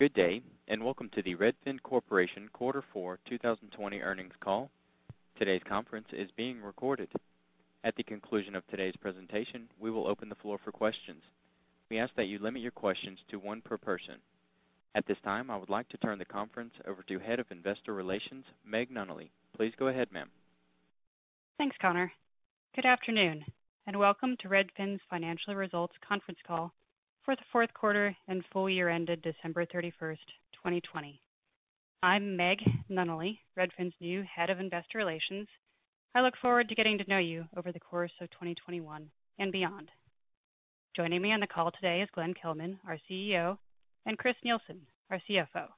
Good day. Welcome to the Redfin Corporation quarter four 2020 earnings call. Today's conference is being recorded. At the conclusion of today's presentation, we will open the floor for questions. We ask that you limit your questions to one per person. At this time, I would like to turn the conference over to Head of Investor Relations, Meg Nunnally. Please go ahead, ma'am. Thanks, Connor. Good afternoon, and welcome to Redfin's Financial Results Conference Call for the fourth quarter and full year ended December 31st 2020. I'm Meg Nunnally, Redfin's new Head of Investor Relations. I look forward to getting to know you over the course of 2021 and beyond. Joining me on the call today is Glenn Kelman, our CEO, and Chris Nielsen, our CFO.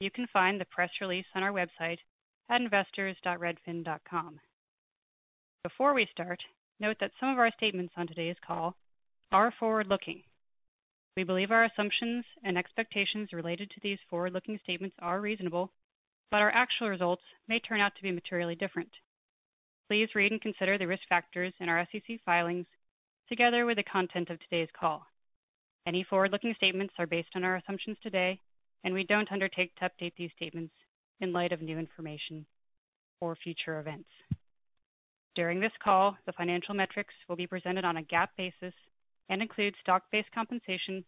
You can find the press release on our website at investors.redfin.com. Before we start, note that some of our statements on today's call are forward-looking. We believe our assumptions and expectations related to these forward-looking statements are reasonable, but our actual results may turn out to be materially different. Please read and consider the risk factors in our SEC filings, together with the content of today's call. Any forward-looking statements are based on our assumptions today, and we don't undertake to update these statements in light of new information or future events. During this call, the financial metrics will be presented on a GAAP basis and include stock-based compensation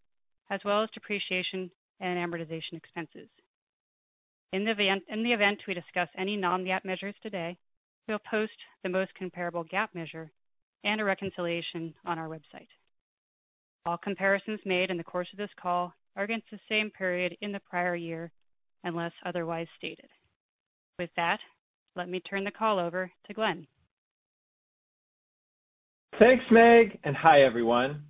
as well as depreciation and amortization expenses. In the event we discuss any non-GAAP measures today, we'll post the most comparable GAAP measure and a reconciliation on our website. All comparisons made in the course of this call are against the same period in the prior year, unless otherwise stated. With that, let me turn the call over to Glenn. Thanks, Meg, and hi, everyone.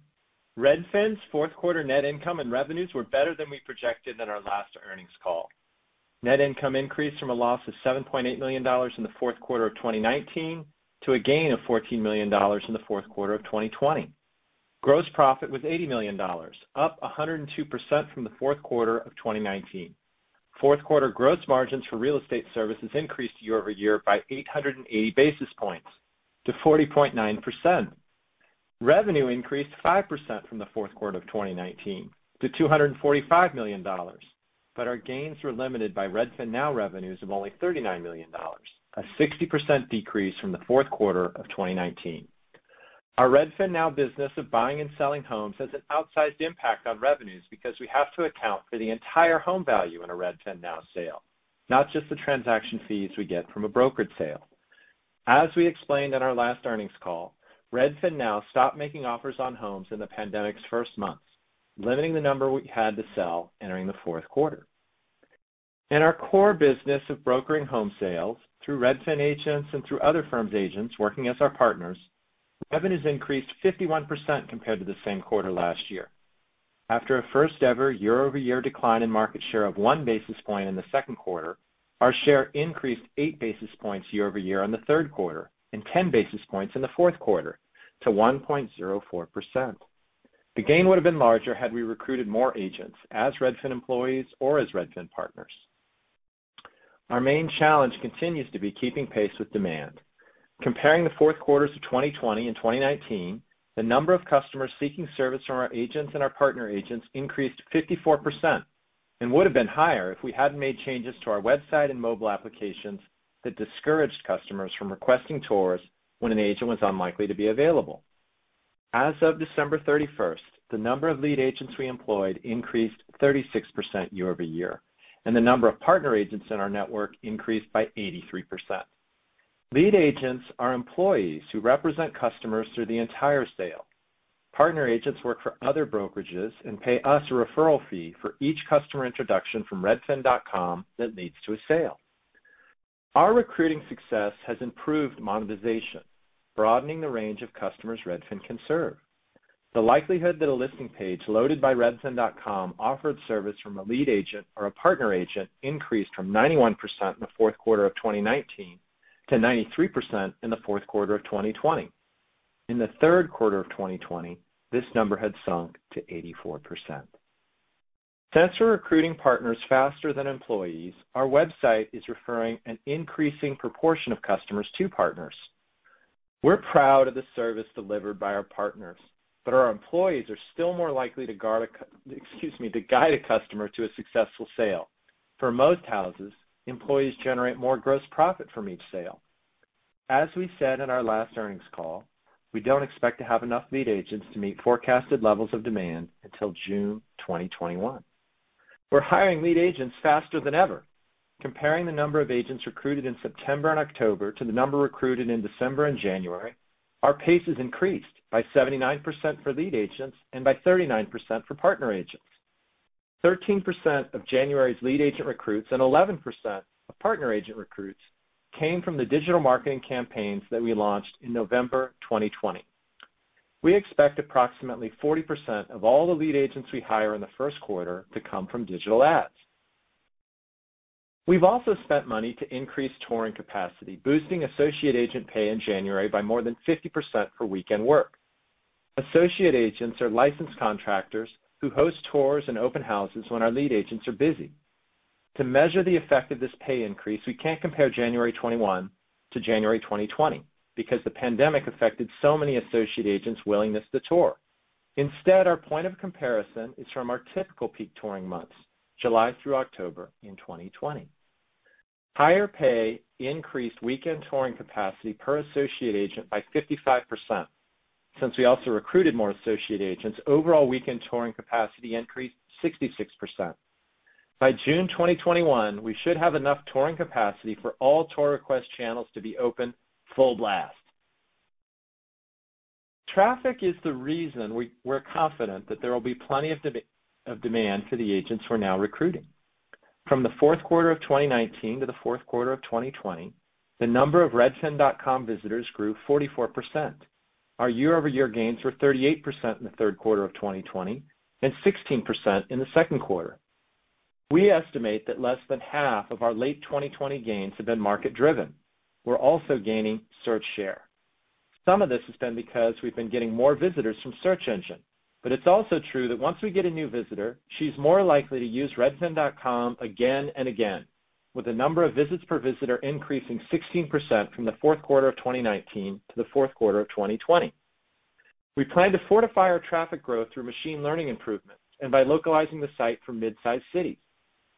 Redfin's fourth quarter net income and revenues were better than we projected in our last earnings call. Net income increased from a loss of $7.8 million in the fourth quarter of 2019 to a gain of $14 million in the fourth quarter of 2020. Gross profit was $80 million, up 102% from the fourth quarter of 2019. Fourth quarter gross margins for real estate services increased year-over-year by 880 basis points to 40.9%. Revenue increased 5% from the fourth quarter of 2019 to $245 million. Our gains were limited by RedfinNow revenues of only $39 million, a 60% decrease from the fourth quarter of 2019. Our RedfinNow business of buying and selling homes has an outsized impact on revenues because we have to account for the entire home value in a RedfinNow sale, not just the transaction fees we get from a brokerage sale. As we explained on our last earnings call, RedfinNow stopped making offers on homes in the pandemic's first months, limiting the number we had to sell entering the fourth quarter. In our core business of brokering home sales through Redfin agents and through other firms' agents working as our partners, revenues increased 51% compared to the same quarter last year. After a first-ever year-over-year decline in market share of one basis point in the second quarter, our share increased eight basis points year-over-year on the third quarter and 10 basis points in the fourth quarter to 1.04%. The gain would've been larger had we recruited more agents as Redfin employees or as Redfin partners. Our main challenge continues to be keeping pace with demand. Comparing the fourth quarters of 2020 and 2019, the number of customers seeking service from our agents and our partner agents increased 54% and would've been higher if we hadn't made changes to our website and mobile applications that discouraged customers from requesting tours when an agent was unlikely to be available. As of December 31st, the number of lead agents we employed increased 36% year-over-year, and the number of partner agents in our network increased by 83%. Lead agents are employees who represent customers through the entire sale. Partner agents work for other brokerages and pay us a referral fee for each customer introduction from redfin.com that leads to a sale. Our recruiting success has improved monetization, broadening the range of customers Redfin can serve. The likelihood that a listing page loaded by redfin.com offered service from a lead agent or a partner agent increased from 91% in the fourth quarter of 2019 to 93% in the fourth quarter of 2020. In the third quarter of 2020, this number had sunk to 84%. Since we're recruiting partners faster than employees, our website is referring an increasing proportion of customers to partners. We're proud of the service delivered by our partners, but our employees are still more likely to guide a customer to a successful sale. For most houses, employees generate more gross profit from each sale. As we said in our last earnings call, we don't expect to have enough lead agents to meet forecasted levels of demand until June 2021. We're hiring lead agents faster than ever. Comparing the number of agents recruited in September and October to the number recruited in December and January, our pace has increased by 79% for lead agents and by 39% for partner agents. 13% of January's lead agent recruits and 11% of partner agent recruits came from the digital marketing campaigns that we launched in November 2020. We expect approximately 40% of all the lead agents we hire in the first quarter to come from digital ads. We've also spent money to increase touring capacity, boosting associate agent pay in January by more than 50% for weekend work. Associate agents are licensed contractors who host tours and open houses when our lead agents are busy. To measure the effect of this pay increase, we can't compare January 2021 to January 2020 because the pandemic affected so many associate agents' willingness to tour. Instead, our point of comparison is from our typical peak touring months, July through October in 2020. Higher pay increased weekend touring capacity per associate agent by 55%. Since we also recruited more associate agents, overall weekend touring capacity increased 66%. By June 2021, we should have enough touring capacity for all tour request channels to be open full blast. Traffic is the reason we're confident that there will be plenty of demand for the agents we're now recruiting. From the fourth quarter of 2019 to the fourth quarter of 2020, the number of redfin.com visitors grew 44%. Our year-over-year gains were 38% in the third quarter of 2020 and 16% in the second quarter. We estimate that less than half of our late 2020 gains have been market-driven. We're also gaining search share. Some of this has been because we've been getting more visitors from search engine, but it's also true that once we get a new visitor, she's more likely to use redfin.com again and again, with the number of visits per visitor increasing 16% from the fourth quarter of 2019 to the fourth quarter of 2020. We plan to fortify our traffic growth through machine learning improvements and by localizing the site for mid-size cities.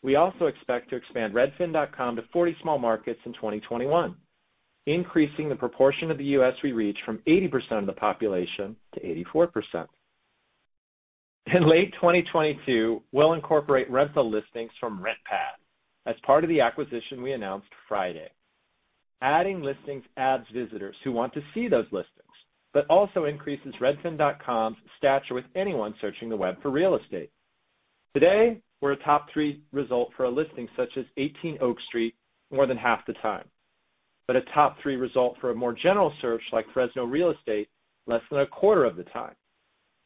We also expect to expand redfin.com to 40 small markets in 2021, increasing the proportion of the U.S. we reach from 80% of the population to 84%. In late 2022, we'll incorporate rental listings from RentPath as part of the acquisition we announced Friday. Adding listings adds visitors who want to see those listings, but also increases redfin.com's stature with anyone searching the web for real estate. Today, we're a top-three result for a listing such as 18 Oak Street more than half the time, but a top-three result for a more general search like Fresno real estate less than a quarter of the time.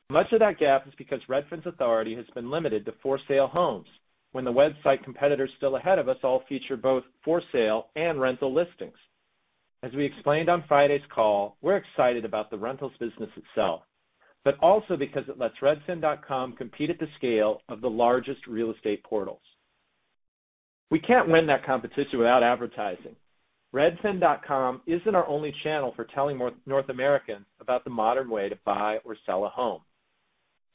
Much of that gap is because Redfin's authority has been limited to for-sale homes when the website competitors still ahead of us all feature both for-sale and rental listings. As we explained on Friday's call, we're excited about the rentals business itself, but also because it lets redfin.com compete at the scale of the largest real estate portals. We can't win that competition without advertising. Redfin.com isn't our only channel for telling North Americans about the modern way to buy or sell a home.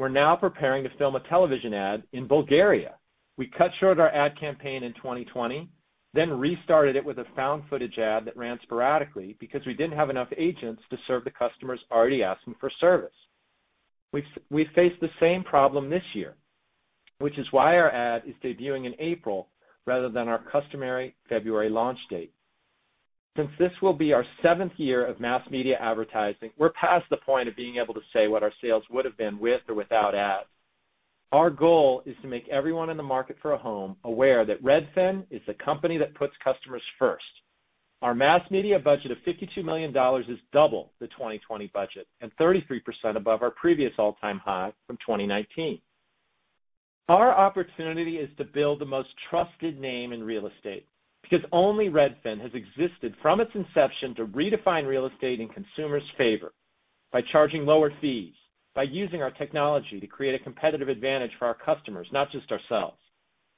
We're now preparing to film a television ad in Bulgaria. We cut short our ad campaign in 2020, then restarted it with a found footage ad that ran sporadically because we didn't have enough agents to serve the customers already asking for service. We face the same problem this year, which is why our ad is debuting in April rather than our customary February launch date. Since this will be our seventh year of mass media advertising, we're past the point of being able to say what our sales would've been with or without ads. Our goal is to make everyone in the market for a home aware that Redfin is the company that puts customers first. Our mass media budget of $52 million is double the 2020 budget and 33% above our previous all-time high from 2019. Our opportunity is to build the most trusted name in real estate because only Redfin has existed from its inception to redefine real estate in consumers' favor by charging lower fees, by using our technology to create a competitive advantage for our customers, not just ourselves,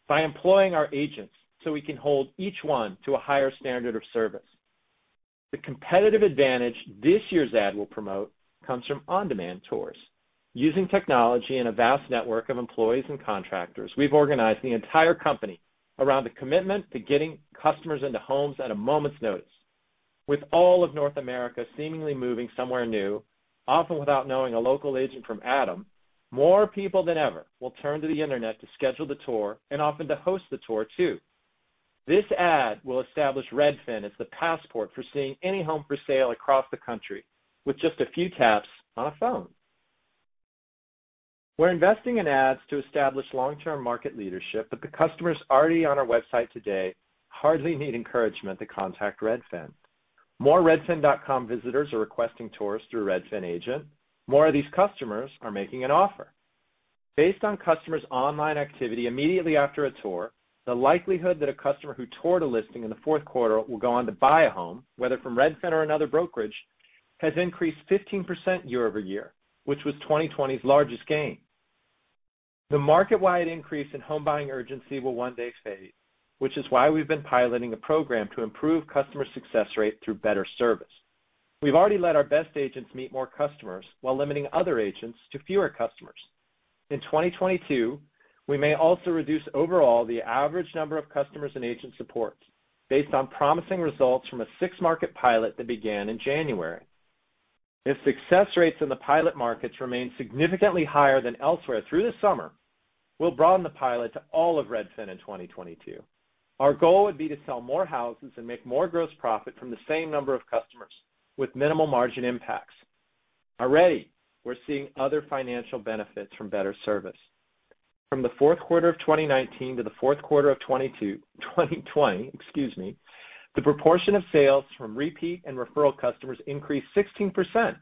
by employing our agents so we can hold each one to a higher standard of service. The competitive advantage this year's ad will promote comes from on-demand tours. Using technology and a vast network of employees and contractors, we've organized the entire company around the commitment to getting customers into homes at a moment's notice. With all of North America seemingly moving somewhere new, often without knowing a local agent from Adam, more people than ever will turn to the internet to schedule the tour and often to host the tour, too. This ad will establish Redfin as the passport for seeing any home for sale across the country with just a few taps on a phone. We're investing in ads to establish long-term market leadership, the customers already on our website today hardly need encouragement to contact Redfin. More redfin.com visitors are requesting tours through Redfin agent. More of these customers are making an offer. Based on customers' online activity immediately after a tour, the likelihood that a customer who toured a listing in the fourth quarter will go on to buy a home, whether from Redfin or another brokerage, has increased 15% year-over-year, which was 2020's largest gain. The market-wide increase in home buying urgency will one day fade, which is why we've been piloting a program to improve customer success rate through better service. We've already let our best agents meet more customers while limiting other agents to fewer customers. In 2022, we may also reduce overall the average number of customers an agent supports based on promising results from a six-market pilot that began in January. If success rates in the pilot markets remain significantly higher than elsewhere through the summer, we'll broaden the pilot to all of Redfin in 2022. Our goal would be to sell more houses and make more gross profit from the same number of customers with minimal margin impacts. Already, we're seeing other financial benefits from better service. From the fourth quarter of 2019 to the fourth quarter of 2020, excuse me, the proportion of sales from repeat and referral customers increased 16%.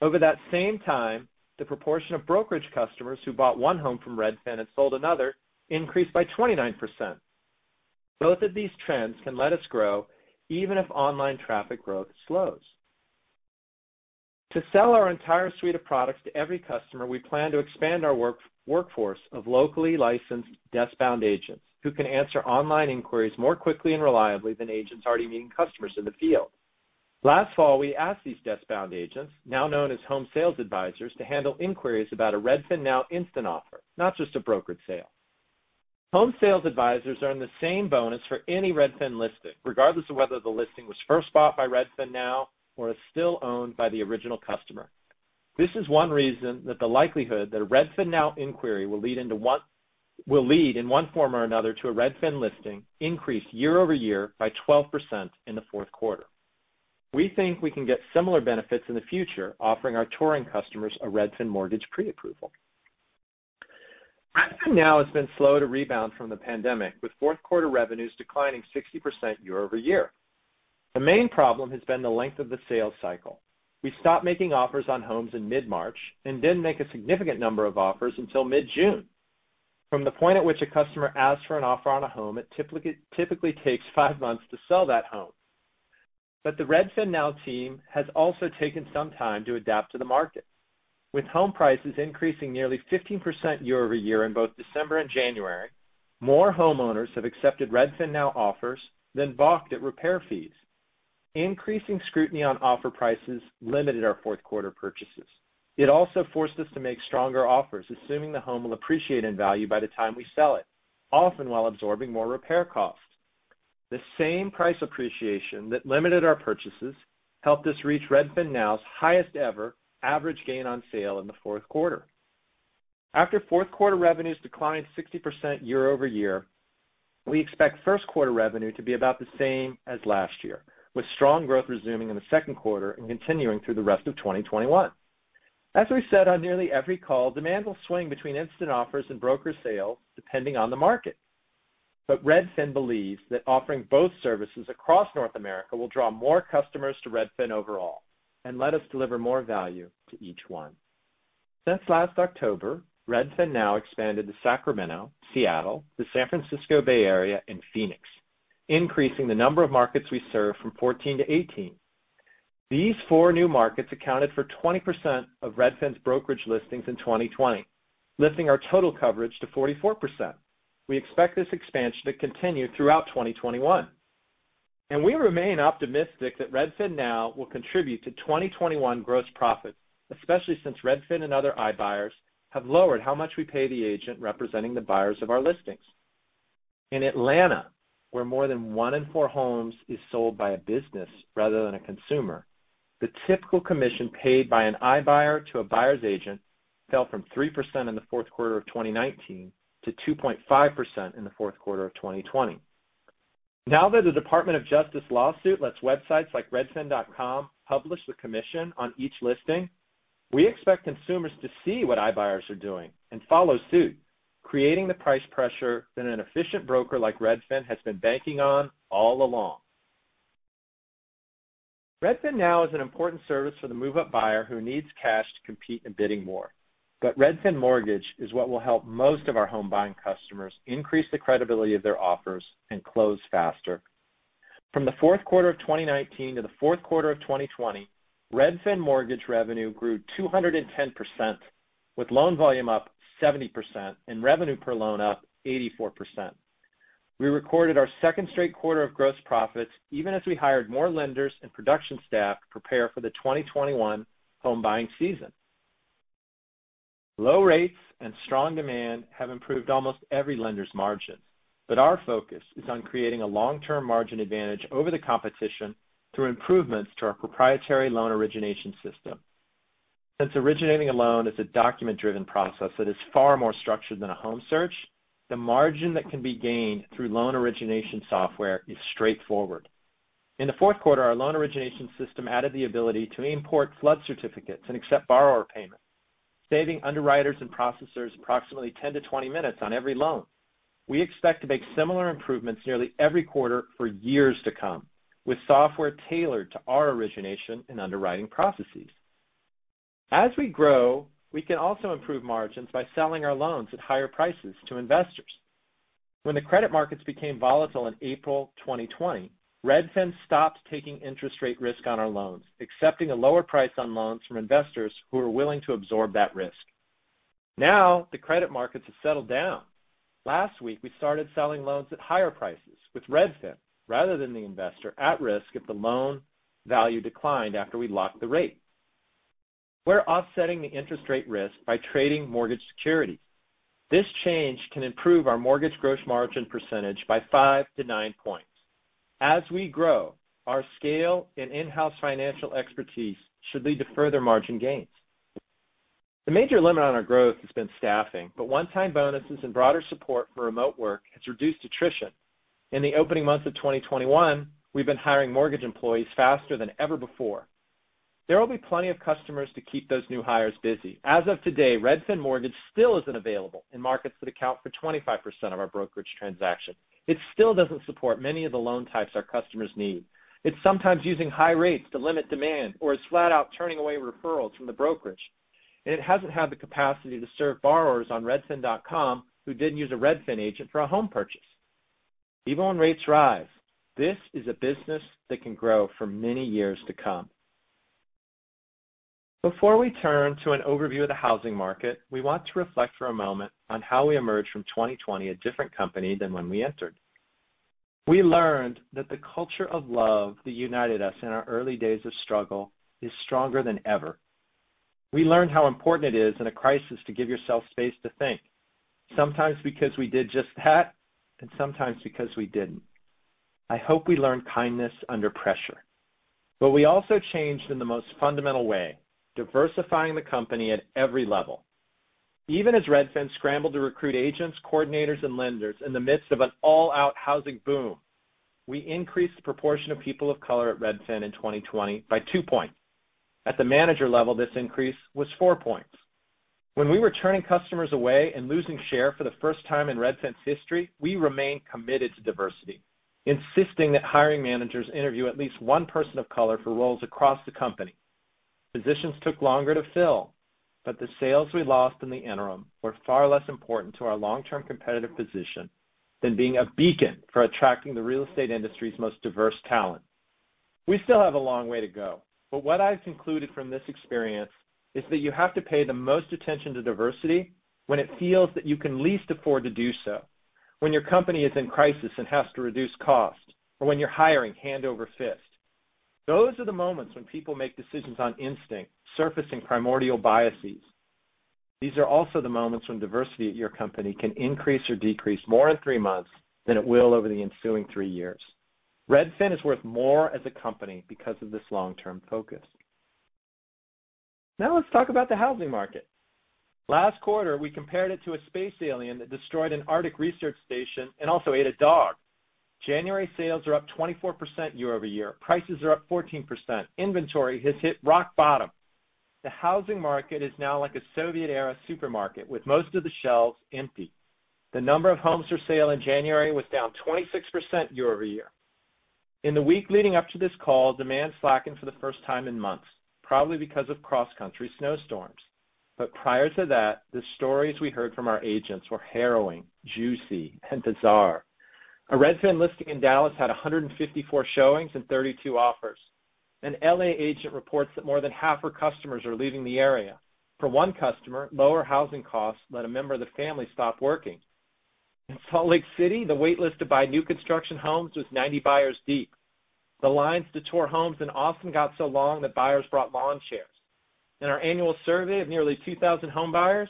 Over that same time, the proportion of brokerage customers who bought one home from Redfin and sold another increased by 29%. Both of these trends can let us grow even if online traffic growth slows. To sell our entire suite of products to every customer, we plan to expand our workforce of locally licensed desk-bound agents who can answer online inquiries more quickly and reliably than agents already meeting customers in the field. Last fall, we asked these desk-bound agents, now known as home sales advisors, to handle inquiries about a RedfinNow instant offer, not just a brokerage sale. Home sales advisors earn the same bonus for any Redfin listing, regardless of whether the listing was first bought by RedfinNow or is still owned by the original customer. This is one reason that the likelihood that a RedfinNow inquiry will lead, in one form or another, to a Redfin listing increased year-over-year by 12% in the fourth quarter. We think we can get similar benefits in the future offering our touring customers a Redfin Mortgage pre-approval. RedfinNow has been slow to rebound from the pandemic, with fourth quarter revenues declining 60% year-over-year. The main problem has been the length of the sales cycle. We stopped making offers on homes in mid-March and didn't make a significant number of offers until mid-June. From the point at which a customer asks for an offer on a home, it typically takes five months to sell that home. The RedfinNow team has also taken some time to adapt to the market. With home prices increasing nearly 15% year-over-year in both December and January, more homeowners have accepted RedfinNow offers than balked at repair fees. Increasing scrutiny on offer prices limited our fourth quarter purchases. It also forced us to make stronger offers, assuming the home will appreciate in value by the time we sell it, often while absorbing more repair costs. The same price appreciation that limited our purchases helped us reach RedfinNow's highest-ever average gain on sale in the fourth quarter. After fourth quarter revenues declined 60% year-over-year, we expect first quarter revenue to be about the same as last year, with strong growth resuming in the second quarter and continuing through the rest of 2021. As we've said on nearly every call, demand will swing between instant offers and broker sales depending on the market. Redfin believes that offering both services across North America will draw more customers to Redfin overall and let us deliver more value to each one. Since last October, RedfinNow expanded to Sacramento, Seattle, the San Francisco Bay Area, and Phoenix, increasing the number of markets we serve from 14 to 18. These four new markets accounted for 20% of Redfin's brokerage listings in 2020, lifting our total coverage to 44%. We expect this expansion to continue throughout 2021, and we remain optimistic that RedfinNow will contribute to 2021 gross profit, especially since Redfin and other iBuyers have lowered how much we pay the agent representing the buyers of our listings. In Atlanta, where more than one in four homes is sold by a business rather than a consumer, the typical commission paid by an iBuyer to a buyer's agent fell from 3% in the fourth quarter of 2019 to 2.5% in the fourth quarter of 2020. Now that the Department of Justice lawsuit lets websites like redfin.com publish the commission on each listing, we expect consumers to see what iBuyers are doing and follow suit, creating the price pressure that an efficient broker like Redfin has been banking on all along. RedfinNow is an important service for the move-up buyer who needs cash to compete in bidding war. Redfin Mortgage is what will help most of our home buying customers increase the credibility of their offers and close faster. From the fourth quarter of 2019 to the fourth quarter of 2020, Redfin Mortgage revenue grew 210%, with loan volume up 70% and revenue per loan up 84%. We recorded our second straight quarter of gross profits, even as we hired more lenders and production staff to prepare for the 2021 home buying season. Low rates and strong demand have improved almost every lender's margin, but our focus is on creating a long-term margin advantage over the competition through improvements to our proprietary loan origination system. Since originating a loan is a document-driven process that is far more structured than a home search, the margin that can be gained through loan origination software is straightforward. In the fourth quarter, our loan origination system added the ability to import flood certificates and accept borrower payments, saving underwriters and processors approximately 10 to 20 minutes on every loan. We expect to make similar improvements nearly every quarter for years to come, with software tailored to our origination and underwriting processes. As we grow, we can also improve margins by selling our loans at higher prices to investors. When the credit markets became volatile in April 2020, Redfin stopped taking interest rate risk on our loans, accepting a lower price on loans from investors who were willing to absorb that risk. Now, the credit markets have settled down. Last week, we started selling loans at higher prices, with Redfin, rather than the investor, at risk if the loan value declined after we locked the rate. We're offsetting the interest rate risk by trading mortgage security. This change can improve our mortgage gross margin % by five to nine points. As we grow, our scale and in-house financial expertise should lead to further margin gains. One-time bonuses and broader support for remote work has reduced attrition. In the opening months of 2021, we've been hiring mortgage employees faster than ever before. There will be plenty of customers to keep those new hires busy. As of today, Redfin Mortgage still isn't available in markets that account for 25% of our brokerage transaction. It still doesn't support many of the loan types our customers need. It's sometimes using high rates to limit demand or is flat out turning away referrals from the brokerage, and it hasn't had the capacity to serve borrowers on redfin.com who didn't use a Redfin agent for a home purchase. Even when rates rise, this is a business that can grow for many years to come. Before we turn to an overview of the housing market, we want to reflect for a moment on how we emerged from 2020 a different company than when we entered. We learned that the culture of love that united us in our early days of struggle is stronger than ever. We learned how important it is in a crisis to give yourself space to think, sometimes because we did just that and sometimes because we didn't. I hope we learned kindness under pressure. We also changed in the most fundamental way, diversifying the company at every level. Even as Redfin scrambled to recruit agents, coordinators, and lenders in the midst of an all-out housing boom, we increased the proportion of people of color at Redfin in 2020 by two points. At the manager level, this increase was four points. When we were turning customers away and losing share for the first time in Redfin's history, we remained committed to diversity, insisting that hiring managers interview at least one person of color for roles across the company. Positions took longer to fill, but the sales we lost in the interim were far less important to our long-term competitive position than being a beacon for attracting the real estate industry's most diverse talent. We still have a long way to go, but what I've concluded from this experience is that you have to pay the most attention to diversity when it feels that you can least afford to do so, when your company is in crisis and has to reduce costs, or when you're hiring hand over fist. Those are the moments when people make decisions on instinct, surfacing primordial biases. These are also the moments when diversity at your company can increase or decrease more in three months than it will over the ensuing three years. Redfin is worth more as a company because of this long-term focus. Now let's talk about the housing market. Last quarter, we compared it to a space alien that destroyed an Arctic research station and also ate a dog. January sales are up 24% year-over-year. Prices are up 14%. Inventory has hit rock bottom. The housing market is now like a Soviet-era supermarket, with most of the shelves empty. The number of homes for sale in January was down 26% year-over-year. In the week leading up to this call, demand slackened for the first time in months, probably because of cross-country snowstorms. Prior to that, the stories we heard from our agents were harrowing, juicy, and bizarre. A Redfin listing in Dallas had 154 showings and 32 offers. An L.A. agent reports that more than half her customers are leaving the area. For one customer, lower housing costs let a member of the family stop working. In Salt Lake City, the wait list to buy new construction homes was 90 buyers deep. The lines to tour homes in Austin got so long that buyers brought lawn chairs. In our annual survey of nearly 2,000 home buyers,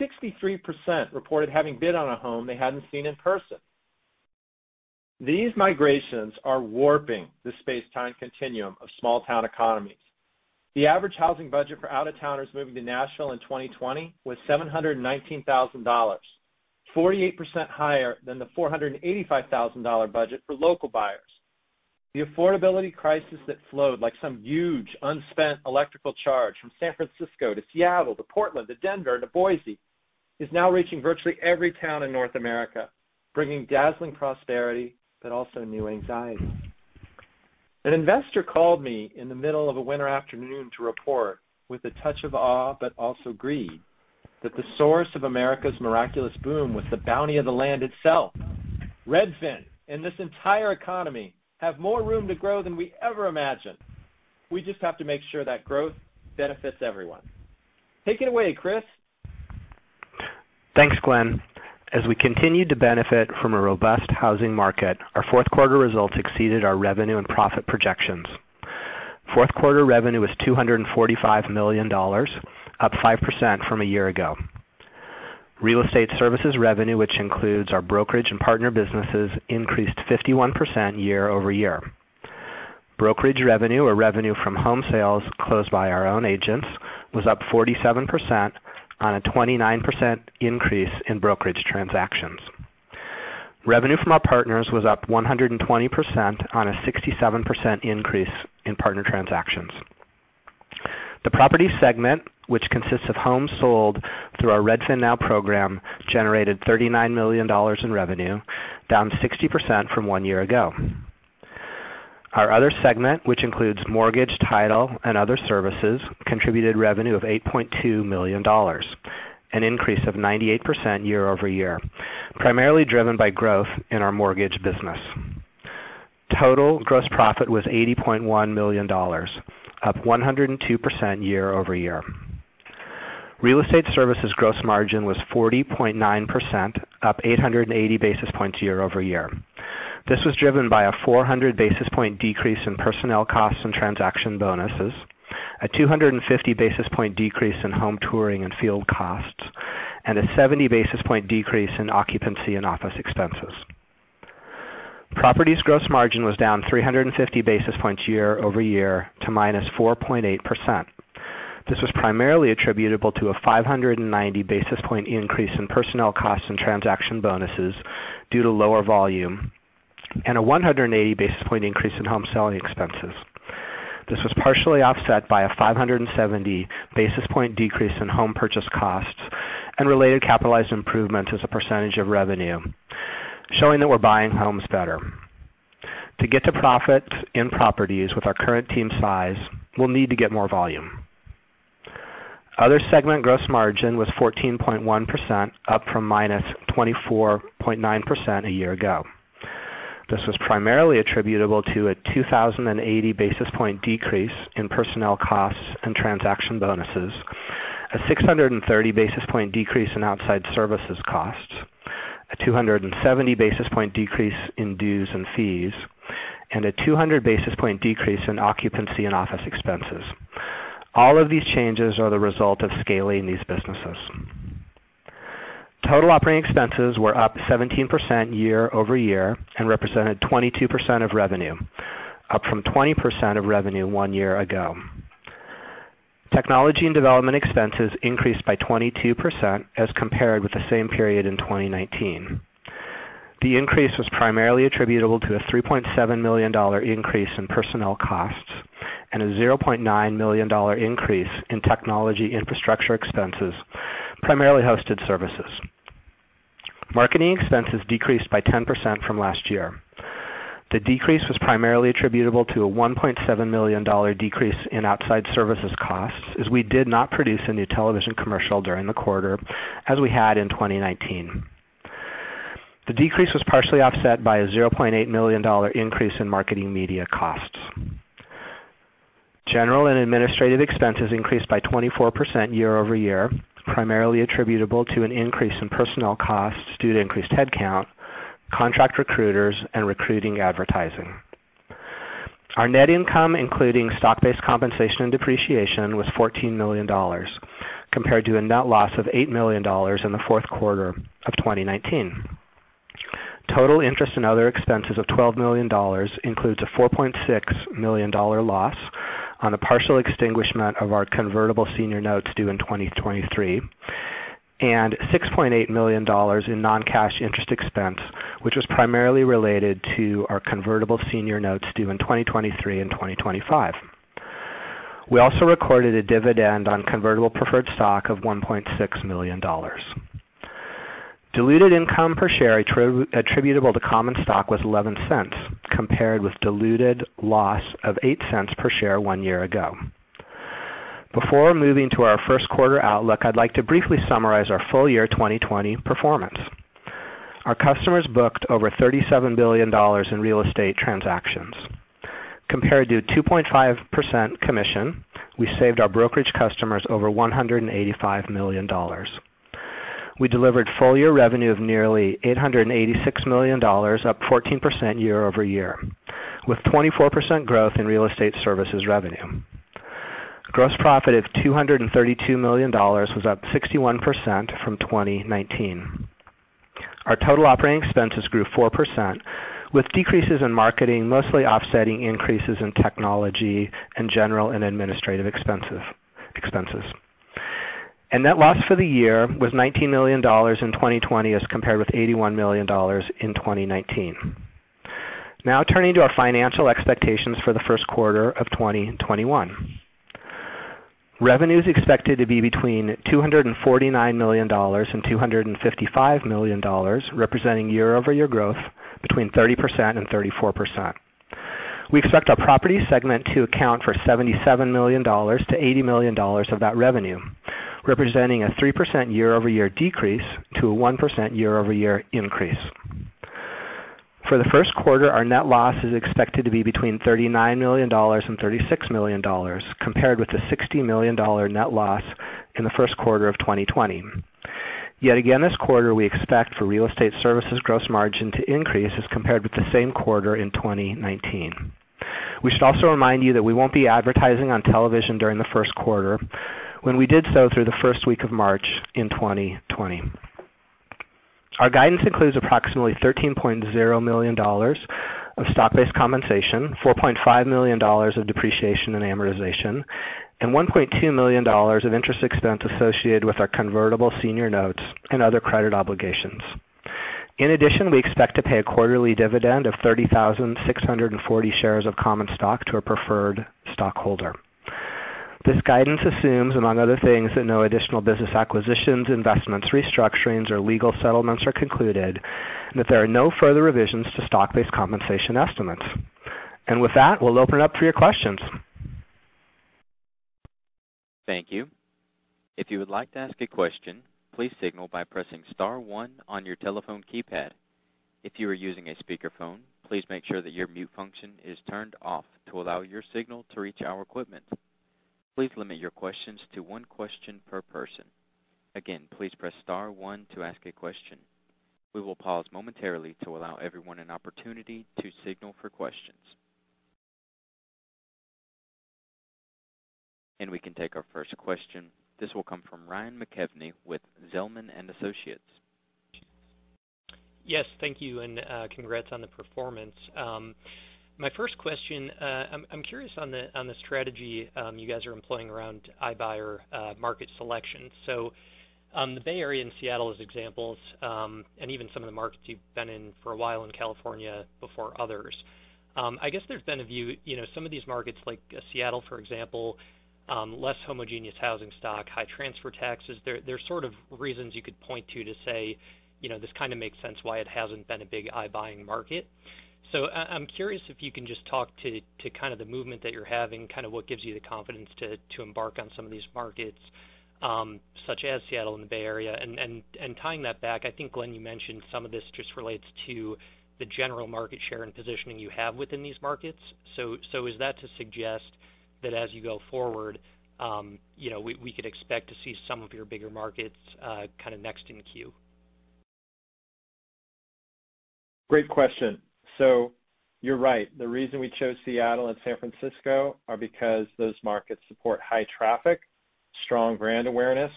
63% reported having bid on a home they hadn't seen in person. These migrations are warping the space-time continuum of small-town economies. The average housing budget for out-of-towners moving to Nashville in 2020 was $719,000, 48% higher than the $485,000 budget for local buyers. The affordability crisis that flowed like some huge unspent electrical charge from San Francisco to Seattle to Portland to Denver to Boise is now reaching virtually every town in North America, bringing dazzling prosperity, but also new anxiety. An investor called me in the middle of a winter afternoon to report, with a touch of awe but also greed, that the source of America's miraculous boom was the bounty of the land itself. Redfin and this entire economy have more room to grow than we ever imagined. We just have to make sure that growth benefits everyone. Take it away, Chris. Thanks, Glenn. As we continued to benefit from a robust housing market, our fourth quarter results exceeded our revenue and profit projections. Fourth quarter revenue was $245 million, up 5% from a year ago. Real estate services revenue, which includes our brokerage and partner businesses, increased 51% year-over-year. Brokerage revenue, or revenue from home sales closed by our own agents, was up 47% on a 29% increase in brokerage transactions. Revenue from our partners was up 120% on a 67% increase in partner transactions. The property segment, which consists of homes sold through our RedfinNow program, generated $39 million in revenue, down 60% from one year ago. Our other segment, which includes mortgage, title, and other services, contributed revenue of $8.2 million, an increase of 98% year-over-year, primarily driven by growth in our mortgage business. Total gross profit was $80.1 million, up 102% year-over-year. Real estate services gross margin was 40.9%, up 880 basis points year-over-year. This was driven by a 400 basis point decrease in personnel costs and transaction bonuses, a 250 basis point decrease in home touring and field costs, and a 70 basis point decrease in occupancy and office expenses. Properties gross margin was down 350 basis points year-over-year to -4.8%. This was primarily attributable to a 590 basis point increase in personnel costs and transaction bonuses due to lower volume and a 180 basis point increase in home selling expenses. This was partially offset by a 570 basis point decrease in home purchase costs and related capitalized improvements as a percentage of revenue, showing that we're buying homes better. To get to profit in properties with our current team size, we'll need to get more volume. Other segment gross margin was 14.1%, up from -24.9% a year ago. This was primarily attributable to a 2,080 basis point decrease in personnel costs and transaction bonuses, a 630 basis point decrease in outside services costs, a 270 basis point decrease in dues and fees, and a 200 basis point decrease in occupancy and office expenses. All of these changes are the result of scaling these businesses. Total operating expenses were up 17% year-over-year and represented 22% of revenue, up from 20% of revenue one year ago. Technology and development expenses increased by 22% as compared with the same period in 2019. The increase was primarily attributable to a $3.7 million increase in personnel costs and a $0.9 million increase in technology infrastructure expenses, primarily hosted services. Marketing expenses decreased by 10% from last year. The decrease was primarily attributable to a $1.7 million decrease in outside services costs, as we did not produce a new television commercial during the quarter as we had in 2019. The decrease was partially offset by a $0.8 million increase in marketing media costs. General and administrative expenses increased by 24% year-over-year, primarily attributable to an increase in personnel costs due to increased headcount, contract recruiters, and recruiting advertising. Our net income, including stock-based compensation and depreciation, was $14 million, compared to a net loss of $8 million in the fourth quarter of 2019. Total interest and other expenses of $12 million includes a $4.6 million loss on the partial extinguishment of our convertible senior notes due in 2023, and $6.8 million in non-cash interest expense, which was primarily related to our convertible senior notes due in 2023 and 2025. We also recorded a dividend on convertible preferred stock of $1.6 million. Diluted income per share attributable to common stock was $0.11, compared with diluted loss of $0.08 per share one year ago. Before moving to our first quarter outlook, I'd like to briefly summarize our full year 2020 performance. Our customers booked over $37 billion in real estate transactions. Compared to 2.5% commission, we saved our brokerage customers over $185 million. We delivered full-year revenue of nearly $886 million, up 14% year-over-year, with 24% growth in real estate services revenue. Gross profit of $232 million was up 61% from 2019. Our total operating expenses grew 4%, with decreases in marketing mostly offsetting increases in technology and general and administrative expenses. Net loss for the year was $19 million in 2020 as compared with $81 million in 2019. Now turning to our financial expectations for the first quarter of 2021. Revenue is expected to be between $249 million and $255 million, representing year-over-year growth between 30% and 34%. We expect our property segment to account for $77 million-$80 million of that revenue, representing a 3% year-over-year decrease to a 1% year-over-year increase. For the first quarter, our net loss is expected to be between $39 million and $36 million, compared with the $60 million net loss in the first quarter of 2020. Yet again, this quarter, we expect for real estate services gross margin to increase as compared with the same quarter in 2019. We should also remind you that we won't be advertising on television during the first quarter, when we did so through the first week of March in 2020. Our guidance includes approximately $13.0 million of stock-based compensation, $4.5 million of depreciation and amortization, and $1.2 million of interest expense associated with our convertible senior notes and other credit obligations. In addition, we expect to pay a quarterly dividend of 30,640 shares of common stock to our preferred stockholder. This guidance assumes, among other things, that no additional business acquisitions, investments, restructurings, or legal settlements are concluded, and that there are no further revisions to stock-based compensation estimates. With that, we'll open up for your questions. Thank you. We can take our first question. This will come from Ryan McKeveny with Zelman & Associates. Yes. Thank you, and congrats on the performance. My first question, I'm curious on the strategy you guys are employing around iBuyer market selection. The Bay Area and Seattle as examples, and even some of the markets you've been in for a while in California before others. There's been a view, some of these markets like Seattle, for example, less homogeneous housing stock, high transfer taxes. There's sort of reasons you could point to to say, this kind of makes sense why it hasn't been a big iBuying market. I'm curious if you can just talk to the movement that you're having, what gives you the confidence to embark on some of these markets, such as Seattle and the Bay Area. Tying that back, I think, Glenn, you mentioned some of this just relates to the general market share and positioning you have within these markets. Is that to suggest that as you go forward we could expect to see some of your bigger markets next in queue? Great question. You're right. The reason we chose Seattle and San Francisco are because those markets support high traffic, strong brand awareness,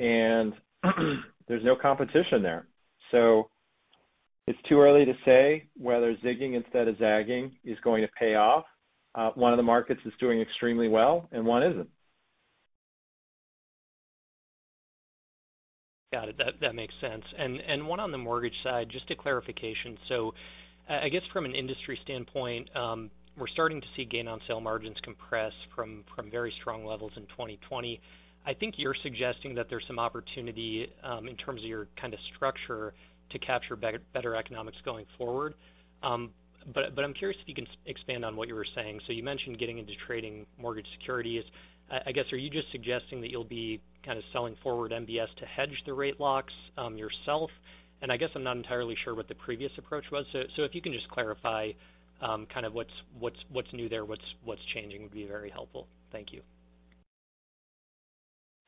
and there's no competition there. It's too early to say whether zigging instead of zagging is going to pay off. One of the markets is doing extremely well and one isn't. Got it. That makes sense. One on the mortgage side, just a clarification. I guess from an industry standpoint, we're starting to see gain on sale margins compress from very strong levels in 2020. I think you're suggesting that there's some opportunity, in terms of your kind of structure, to capture better economics going forward. I'm curious if you can expand on what you were saying. You mentioned getting into trading mortgage securities. I guess, are you just suggesting that you'll be kind of selling forward MBS to hedge the rate locks yourself? I guess I'm not entirely sure what the previous approach was. If you can just clarify kind of what's new there, what's changing would be very helpful. Thank you.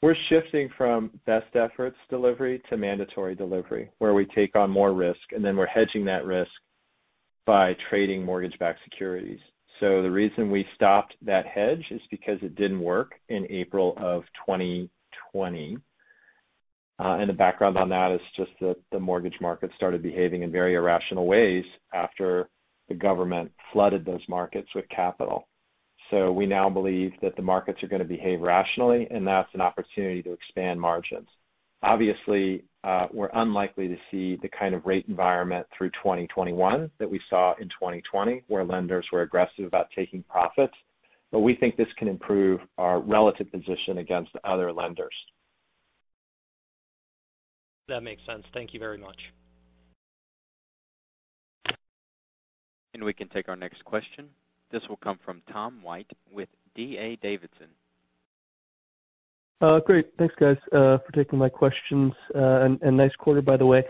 We're shifting from best efforts delivery to mandatory delivery, where we take on more risk, and then we're hedging that risk by trading mortgage-backed securities. The reason we stopped that hedge is because it didn't work in April of 2020. The background on that is just that the mortgage market started behaving in very irrational ways after the government flooded those markets with capital. We now believe that the markets are going to behave rationally, and that's an opportunity to expand margins. Obviously, we're unlikely to see the kind of rate environment through 2021 that we saw in 2020, where lenders were aggressive about taking profits, but we think this can improve our relative position against other lenders. That makes sense. Thank you very much. We can take our next question. This will come from Tom White with D.A. Davidson. Great. Thanks, guys, for taking my questions. Nice quarter, by the way.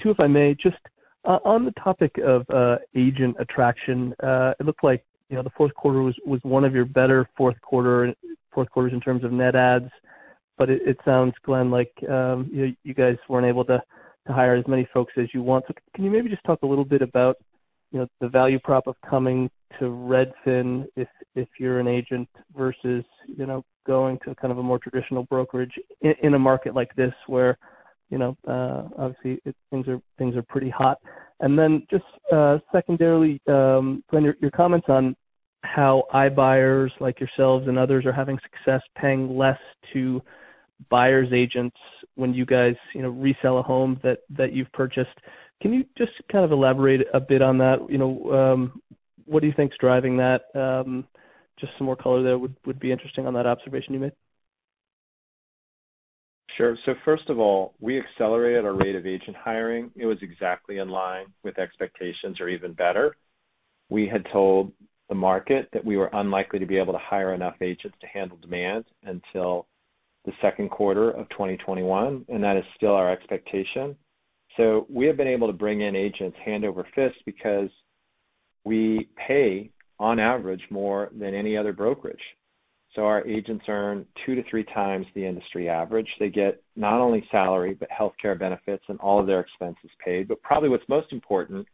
Two, if I may. Just on the topic of agent attraction, it looked like the fourth quarter was one of your better fourth quarters in terms of net adds, but it sounds, Glenn, like you guys weren't able to hire as many folks as you want. Can you maybe just talk a little bit about the value prop of coming to Redfin if you're an agent versus going to kind of a more traditional brokerage in a market like this where obviously things are pretty hot? Just secondarily, Glenn, your comments on how iBuyers like yourselves and others are having success paying less to buyer's agents when you guys resell a home that you've purchased. Can you just kind of elaborate a bit on that? What do you think is driving that? Just some more color there would be interesting on that observation you made. Sure. First of all, we accelerated our rate of agent hiring. It was exactly in line with expectations or even better. We had told the market that we were unlikely to be able to hire enough agents to handle demand until the second quarter of 2021, and that is still our expectation. We have been able to bring in agents hand over fist because we pay, on average, more than any other brokerage. Our agents earn two to three times the industry average. They get not only salary, but healthcare benefits and all of their expenses paid. Probably what's most important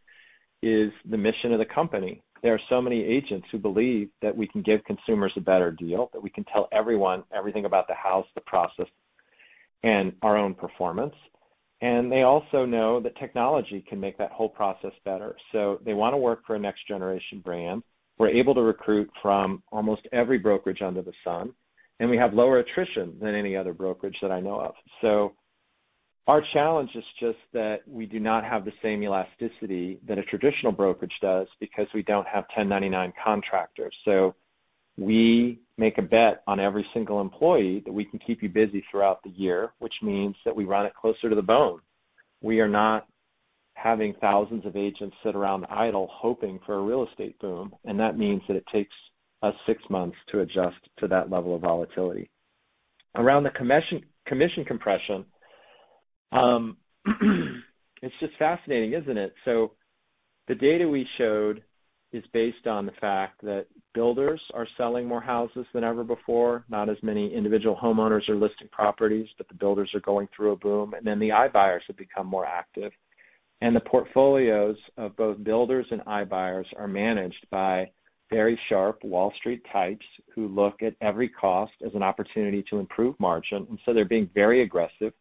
is the mission of the company. There are so many agents who believe that we can give consumers a better deal, that we can tell everyone everything about the house, the process, and our own performance. They also know that technology can make that whole process better. They want to work for a next generation brand. We're able to recruit from almost every brokerage under the sun, and we have lower attrition than any other brokerage that I know of. Our challenge is just that we do not have the same elasticity that a traditional brokerage does because we don't have 1099 contractors. We make a bet on every single employee that we can keep you busy throughout the year, which means that we run it closer to the bone. We are not having thousands of agents sit around idle hoping for a real estate boom, and that means that it takes us six months to adjust to that level of volatility. Around the commission compression, it's just fascinating, isn't it? The data we showed is based on the fact that builders are selling more houses than ever before. Not as many individual homeowners are listing properties, but the builders are going through a boom, and then the iBuyers have become more active. The portfolios of both builders and iBuyers are managed by very sharp Wall Street types who look at every cost as an opportunity to improve margin. They're being very aggressive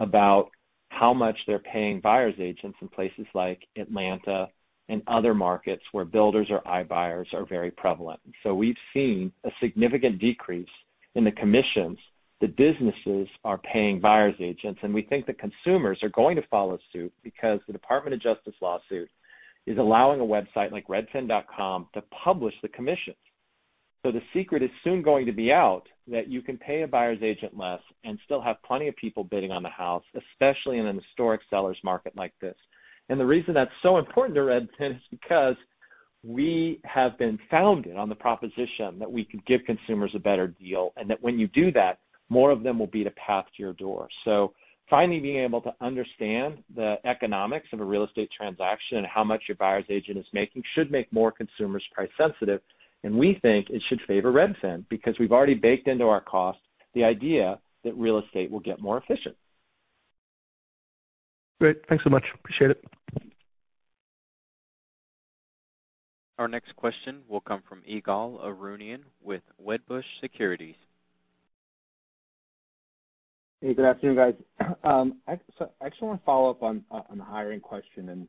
about how much they're paying buyer's agents in places like Atlanta and other markets where builders or iBuyers are very prevalent. We've seen a significant decrease in the commissions that businesses are paying buyer's agents, and we think that consumers are going to follow suit because the Department of Justice lawsuit is allowing a website like redfin.com to publish the commissions. The secret is soon going to be out that you can pay a buyer's agent less and still have plenty of people bidding on the house, especially in an historic seller's market like this. The reason that's so important to Redfin is because we have been founded on the proposition that we can give consumers a better deal, and that when you do that, more of them will beat a path to your door. Finally being able to understand the economics of a real estate transaction and how much your buyer's agent is making should make more consumers price sensitive, and we think it should favor Redfin because we've already baked into our cost the idea that real estate will get more efficient. Great. Thanks so much. Appreciate it. Our next question will come from Ygal Arounian with Wedbush Securities. Hey, good afternoon, guys. I just want to follow up on the hiring question.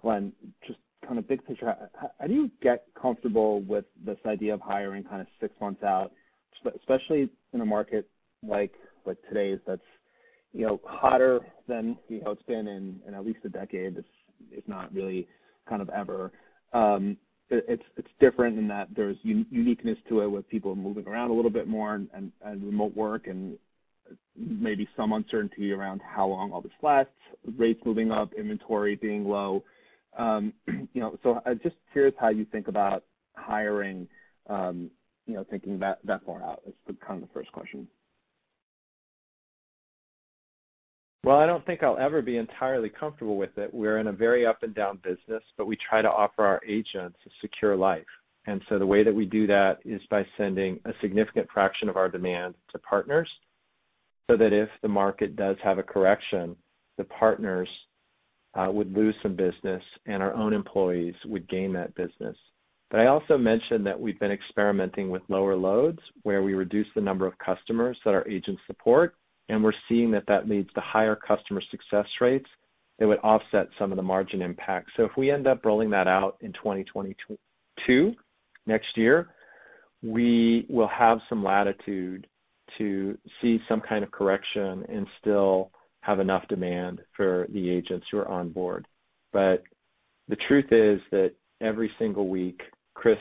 Glenn, just kind of big picture, how do you get comfortable with this idea of hiring kind of six months out, especially in a market like today's, that's hotter than it's been in at least a decade, if not really kind of ever? It's different in that there's uniqueness to it, with people moving around a little bit more and remote work and maybe some uncertainty around how long all this lasts, rates moving up, inventory being low. I'm just curious how you think about hiring, thinking that far out is kind of the first question. Well, I don't think I'll ever be entirely comfortable with it. We're in a very up-and-down business, but we try to offer our agents a secure life. The way that we do that is by sending a significant fraction of our demand to partners, so that if the market does have a correction, the partners would lose some business, and our own employees would gain that business. I also mentioned that we've been experimenting with lower loads, where we reduce the number of customers that our agents support, and we're seeing that that leads to higher customer success rates that would offset some of the margin impact. If we end up rolling that out in 2022, next year, we will have some latitude to see some kind of correction and still have enough demand for the agents who are on board. The truth is that every single week, Chris,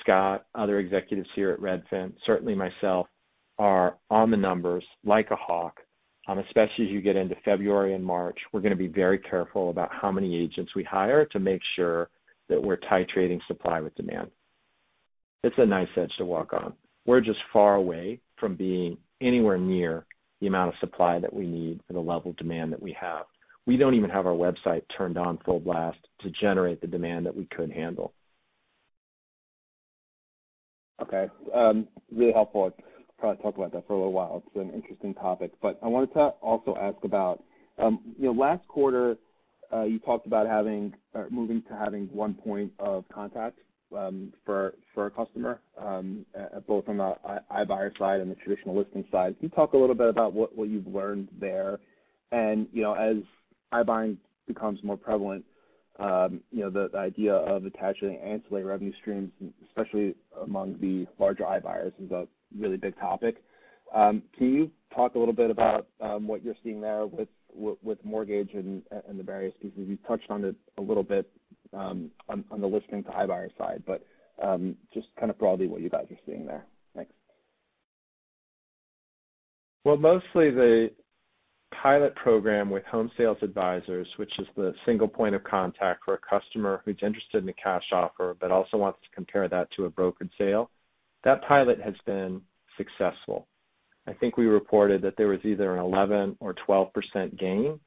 Scott, other executives here at Redfin, certainly myself, are on the numbers like a hawk. Especially as you get into February and March, we're going to be very careful about how many agents we hire to make sure that we're titrating supply with demand. It's a knife's edge to walk on. We're just far away from being anywhere near the amount of supply that we need for the level of demand that we have. We don't even have our website turned on full blast to generate the demand that we could handle. Okay. Really helpful. I could probably talk about that for a little while. It's an interesting topic. I wanted to also ask about, last quarter, you talked about moving to having one point of contact for a customer, both from the iBuyer side and the traditional listing side. Can you talk a little bit about what you've learned there? As iBuying becomes more prevalent, the idea of attaching ancillary revenue streams, especially among the larger iBuyers, is a really big topic. Can you talk a little bit about what you're seeing there with mortgage and the various pieces? You touched on it a little bit on the listing to iBuyer side, just kind of broadly what you guys are seeing there. Thanks. Well, mostly the pilot program with home sales advisors, which is the single point of contact for a customer who is interested in a cash offer but also wants to compare that to a brokered sale. That pilot has been successful. I think we reported that there was either an 11% or 12% gain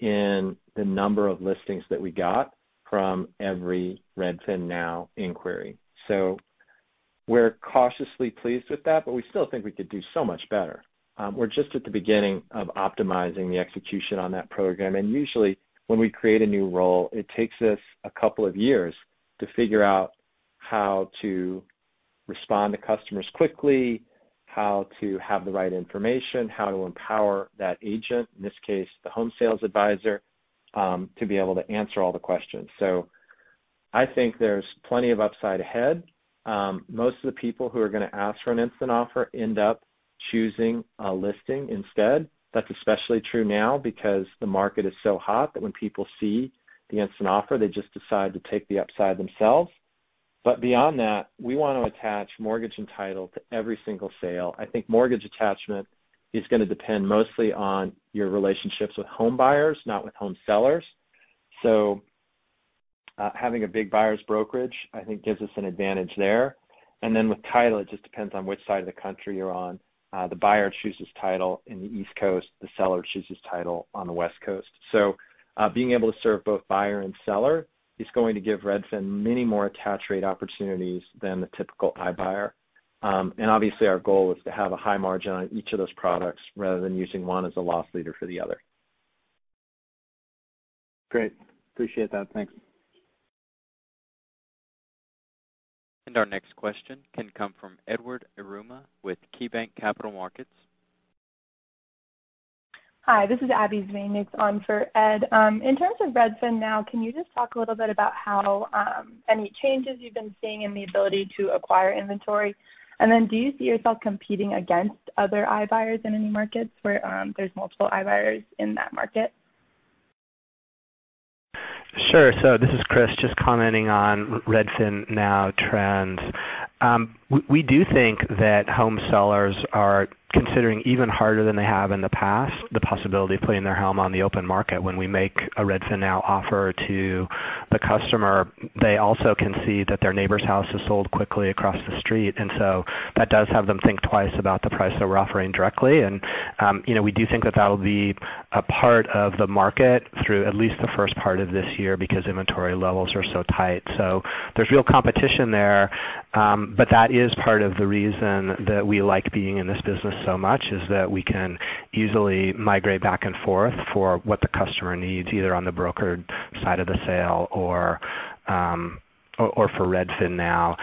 in the number of listings that we got from every RedfinNow inquiry. So we are cautiously pleased with that, but we still think we could do so much better. We are just at the beginning of optimizing the execution on that program, and usually when we create a new role, it takes us a couple of years to figure out how to respond to customers quickly, how to have the right information, how to empower that agent, in this case, the home sales advisor, to be able to answer all the questions. I think there's plenty of upside ahead. Most of the people who are going to ask for an instant offer end up choosing a listing instead. That's especially true now because the market is so hot that when people see the instant offer, they just decide to take the upside themselves. Beyond that, we want to attach mortgage and title to every single sale. I think mortgage attachment is going to depend mostly on your relationships with home buyers, not with home sellers. Having a big buyer's brokerage, I think, gives us an advantage there. With title, it just depends on which side of the country you're on. The buyer chooses title in the East Coast, the seller chooses title on the West Coast. Being able to serve both buyer and seller is going to give Redfin many more attach rate opportunities than the typical iBuyer. Obviously our goal is to have a high margin on each of those products rather than using one as a loss leader for the other. Great. Appreciate that. Thanks. Our next question can come from Edward Yruma with KeyBanc Capital Markets. Hi, this is Abbie Zvejnieks on for Ed. In terms of RedfinNow, can you just talk a little bit about any changes you've been seeing in the ability to acquire inventory? Do you see yourself competing against other iBuyers in any markets where there's multiple iBuyers in that market? Sure. This is Chris, just commenting on RedfinNow trends. We do think that home sellers are considering even harder than they have in the past the possibility of putting their home on the open market. When we make a RedfinNow offer to the customer, they also can see that their neighbor's house is sold quickly across the street. That does have them think twice about the price that we're offering directly. We do think that that'll be a part of the market through at least the first part of this year because inventory levels are so tight. There's real competition there, but that is part of the reason that we like being in this business so much is that we can easily migrate back and forth for what the customer needs, either on the brokered side of the sale or for RedfinNow.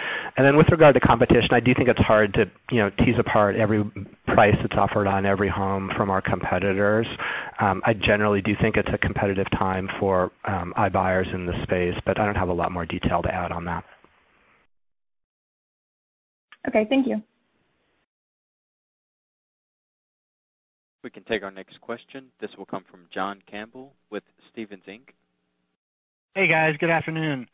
With regard to competition, I do think it's hard to tease apart every price that's offered on every home from our competitors. I generally do think it's a competitive time for iBuyers in this space, but I don't have a lot more detail to add on that. Okay, thank you. We can take our next question. This will come from John Campbell with Stephens Inc. Hey, guys. Good afternoon.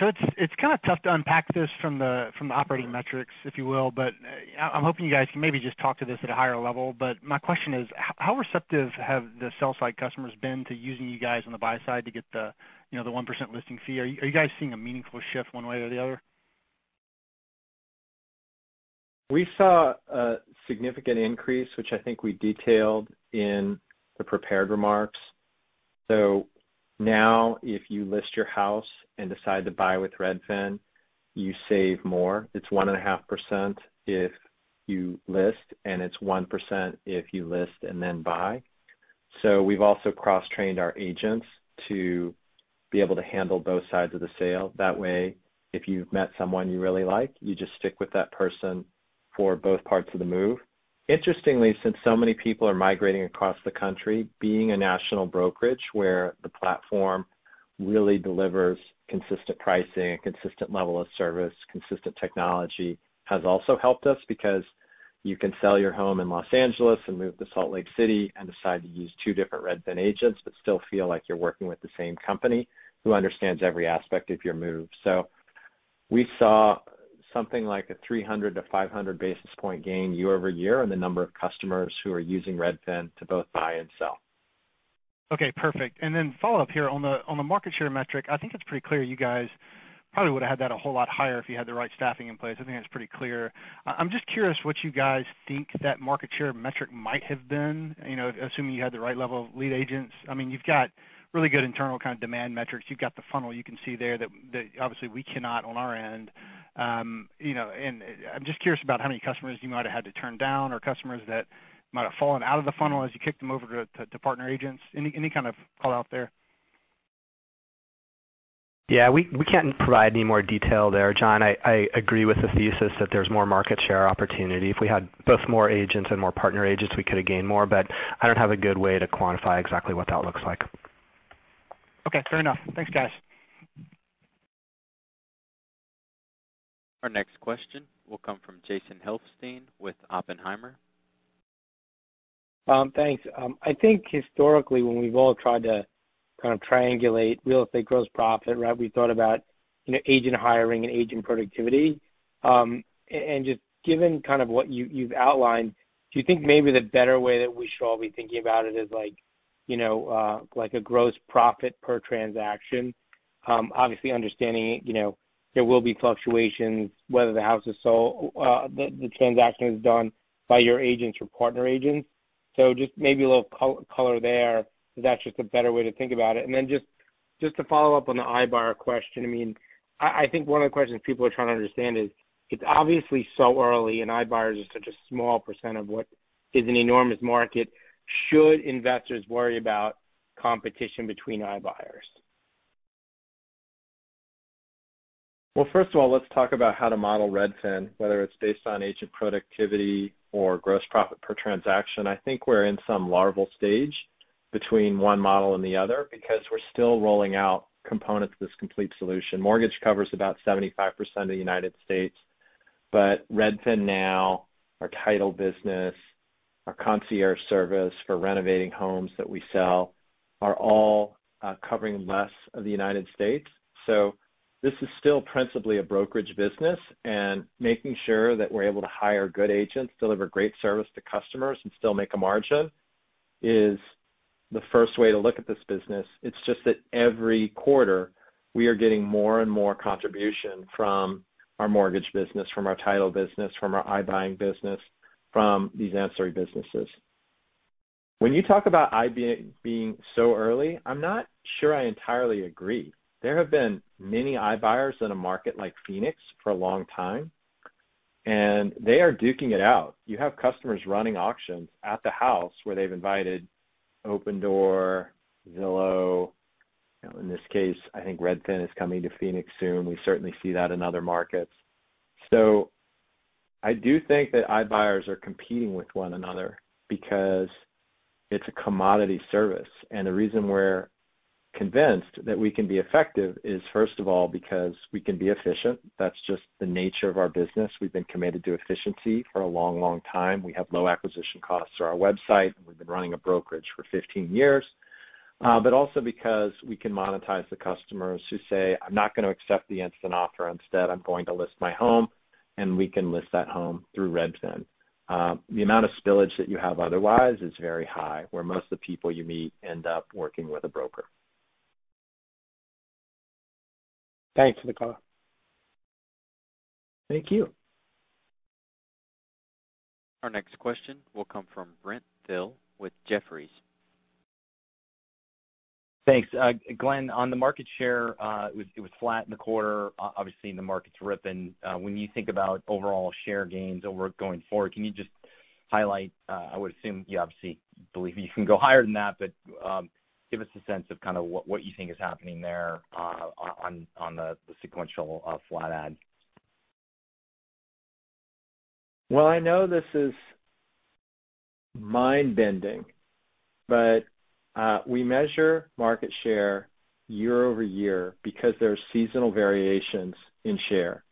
It's kind of tough to unpack this from the operating metrics, if you will, but I'm hoping you guys can maybe just talk to this at a higher level. My question is, how receptive have the sell-side customers been to using you guys on the buy side to get the 1% listing fee? Are you guys seeing a meaningful shift one way or the other? We saw a significant increase, which I think we detailed in the prepared remarks. Now if you list your house and decide to buy with Redfin, you save more. It's 1.5% if you list, and it's 1% if you list and then buy. We've also cross-trained our agents to be able to handle both sides of the sale. That way, if you've met someone you really like, you just stick with that person for both parts of the move. Interestingly, since so many people are migrating across the country, being a national brokerage where the platform really delivers consistent pricing, a consistent level of service, consistent technology, has also helped us because you can sell your home in Los Angeles and move to Salt Lake City and decide to use two different Redfin agents, but still feel like you're working with the same company who understands every aspect of your move. We saw something like a 300-500 basis point gain year-over-year in the number of customers who are using Redfin to both buy and sell. Okay, perfect. Follow-up here on the market share metric. I think it's pretty clear you guys probably would've had that a whole lot higher if you had the right staffing in place. I think that's pretty clear. I'm just curious what you guys think that market share metric might have been, assuming you had the right level of lead agents. You've got really good internal demand metrics. You've got the funnel you can see there that obviously we cannot on our end. I'm just curious about how many customers you might have had to turn down or customers that might have fallen out of the funnel as you kicked them over to partner agents. Any kind of call out there? Yeah, we can't provide any more detail there, John. I agree with the thesis that there's more market share opportunity. If we had both more agents and more partner agents, we could've gained more, but I don't have a good way to quantify exactly what that looks like. Okay, fair enough. Thanks, guys. Our next question will come from Jason Helfstein with Oppenheimer. Thanks. I think historically when we've all tried to triangulate real estate gross profit, we thought about agent hiring and agent productivity. Just given what you've outlined, do you think maybe the better way that we should all be thinking about it is a gross profit per transaction? Obviously understanding there will be fluctuations whether the transaction is done by your agents or partner agents. Just maybe a little color there if that's just a better way to think about it. Just to follow up on the iBuyer question. I think one of the questions people are trying to understand is, it's obviously so early and iBuyers are such a small percent of what is an enormous market. Should investors worry about competition between iBuyers? First of all, let's talk about how to model Redfin, whether it's based on agent productivity or gross profit per transaction. I think we're in some larval stage between one model and the other because we're still rolling out components of this complete solution. Mortgage covers about 75% of the United States, RedfinNow, our title business, our Concierge Service for renovating homes that we sell, are all covering less of the United States. This is still principally a brokerage business, and making sure that we're able to hire good agents, deliver great service to customers and still make a margin is the first way to look at this business. It's just that every quarter we are getting more and more contribution from our mortgage business, from our title business, from our iBuying business, from these ancillary businesses. When you talk about iBuying being so early, I'm not sure I entirely agree. There have been many iBuyers in a market like Phoenix for a long time, and they are duking it out. You have customers running auctions at the house where they've invited Opendoor, Zillow, in this case, I think Redfin is coming to Phoenix soon. We certainly see that in other markets. I do think that iBuyers are competing with one another because it's a commodity service. The reason we're convinced that we can be effective is first of all because we can be efficient. That's just the nature of our business. We've been committed to efficiency for a long, long time. We have low acquisition costs through our website, and we've been running a brokerage for 15 years. Also because we can monetize the customers who say, "I'm not going to accept the instant offer. Instead, I'm going to list my home," and we can list that home through Redfin. The amount of spillage that you have otherwise is very high, where most of the people you meet end up working with a broker. Thanks for the call. Thank you. Our next question will come from Brent Thill with Jefferies. Thanks. Glenn, on the market share, it was flat in the quarter, obviously and the market's ripping. When you think about overall share gains going forward, can you just highlight, I would assume you obviously believe you can go higher than that, but give us a sense of what you think is happening there on the sequential flat at. I know this is mind-bending, but we measure market share year-over-year because there are seasonal variations in share.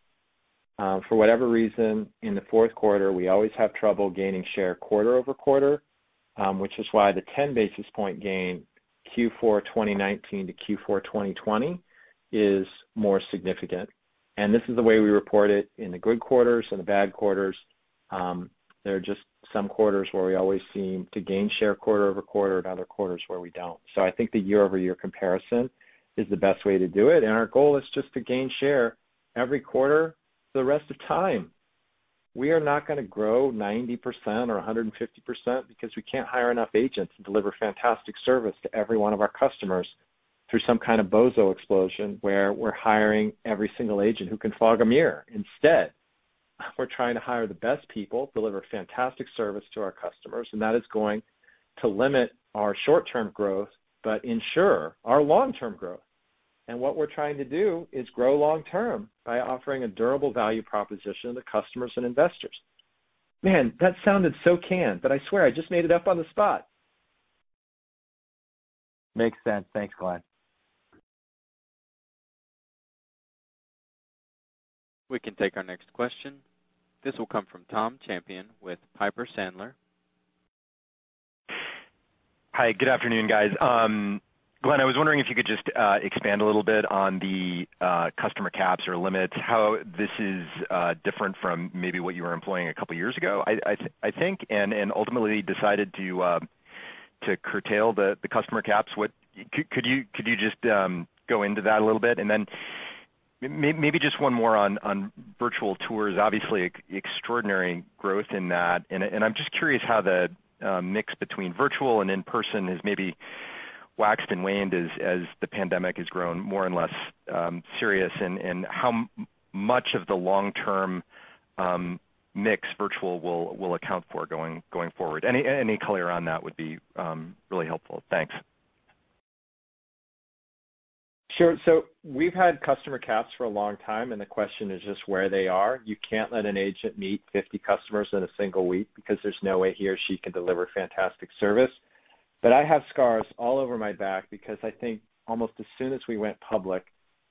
For whatever reason, in the fourth quarter, we always have trouble gaining share quarter-over-quarter, which is why the 10 basis point gain Q4 2019 to Q4 2020 is more significant. This is the way we report it in the good quarters and the bad quarters. There are just some quarters where we always seem to gain share quarter-over-quarter and other quarters where we don't. I think the year-over-year comparison is the best way to do it. Our goal is just to gain share every quarter for the rest of time. We are not going to grow 90% or 150% because we can't hire enough agents to deliver fantastic service to every one of our customers through some kind of bozo explosion where we're hiring every single agent who can fog a mirror. We're trying to hire the best people, deliver fantastic service to our customers, and that is going to limit our short-term growth, but ensure our long-term growth. What we're trying to do is grow long-term by offering a durable value proposition to customers and investors. Man, that sounded so canned, but I swear I just made it up on the spot. Makes sense. Thanks, Glenn. We can take our next question. This will come from Tom Champion with Piper Sandler. Hi, good afternoon, guys. Glenn, I was wondering if you could just expand a little bit on the customer caps or limits, how this is different from maybe what you were employing a couple years ago, I think, and ultimately decided to curtail the customer caps. Could you just go into that a little bit? Then maybe just one more on virtual tours. Obviously, extraordinary growth in that, and I'm just curious how the mix between virtual and in-person has maybe waxed and waned as the pandemic has grown more and less serious, and how much of the long-term mix virtual will account for going forward. Any color on that would be really helpful. Thanks. Sure. We've had customer caps for a long time, and the question is just where they are. You can't let an agent meet 50 customers in a single week because there's no way he or she can deliver fantastic service. I have scars all over my back because I think almost as soon as we went public,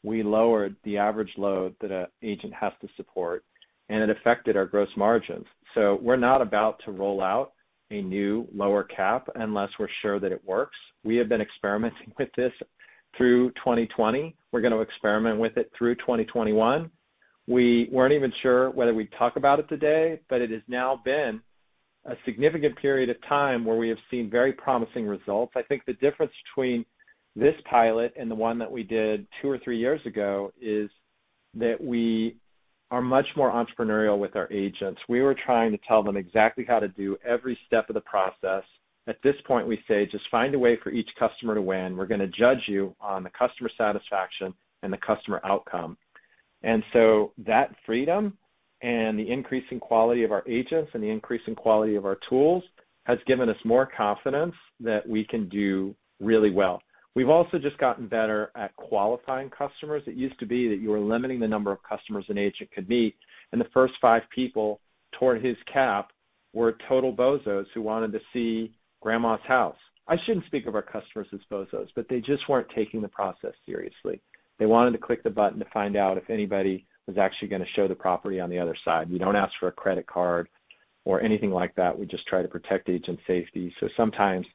we lowered the average load that an agent has to support, and it affected our gross margins. We're not about to roll out a new lower cap unless we're sure that it works. We have been experimenting with this through 2020. We're going to experiment with it through 2021. We weren't even sure whether we'd talk about it today, but it has now been a significant period of time where we have seen very promising results. I think the difference between this pilot and the one that we did two or three years ago is that we are much more entrepreneurial with our agents. We were trying to tell them exactly how to do every step of the process. At this point, we say, "Just find a way for each customer to win. We're going to judge you on the customer satisfaction and the customer outcome." That freedom and the increase in quality of our agents and the increase in quality of our tools has given us more confidence that we can do really well. We've also just gotten better at qualifying customers. It used to be that you were limiting the number of customers an agent could meet, and the first five people toward his cap were total bozos who wanted to see grandma's house. I shouldn't speak of our customers as bozos, but they just weren't taking the process seriously. They wanted to click the button to find out if anybody was actually going to show the property on the other side. We don't ask for a credit card or anything like that. We just try to protect agent safety. Sometimes,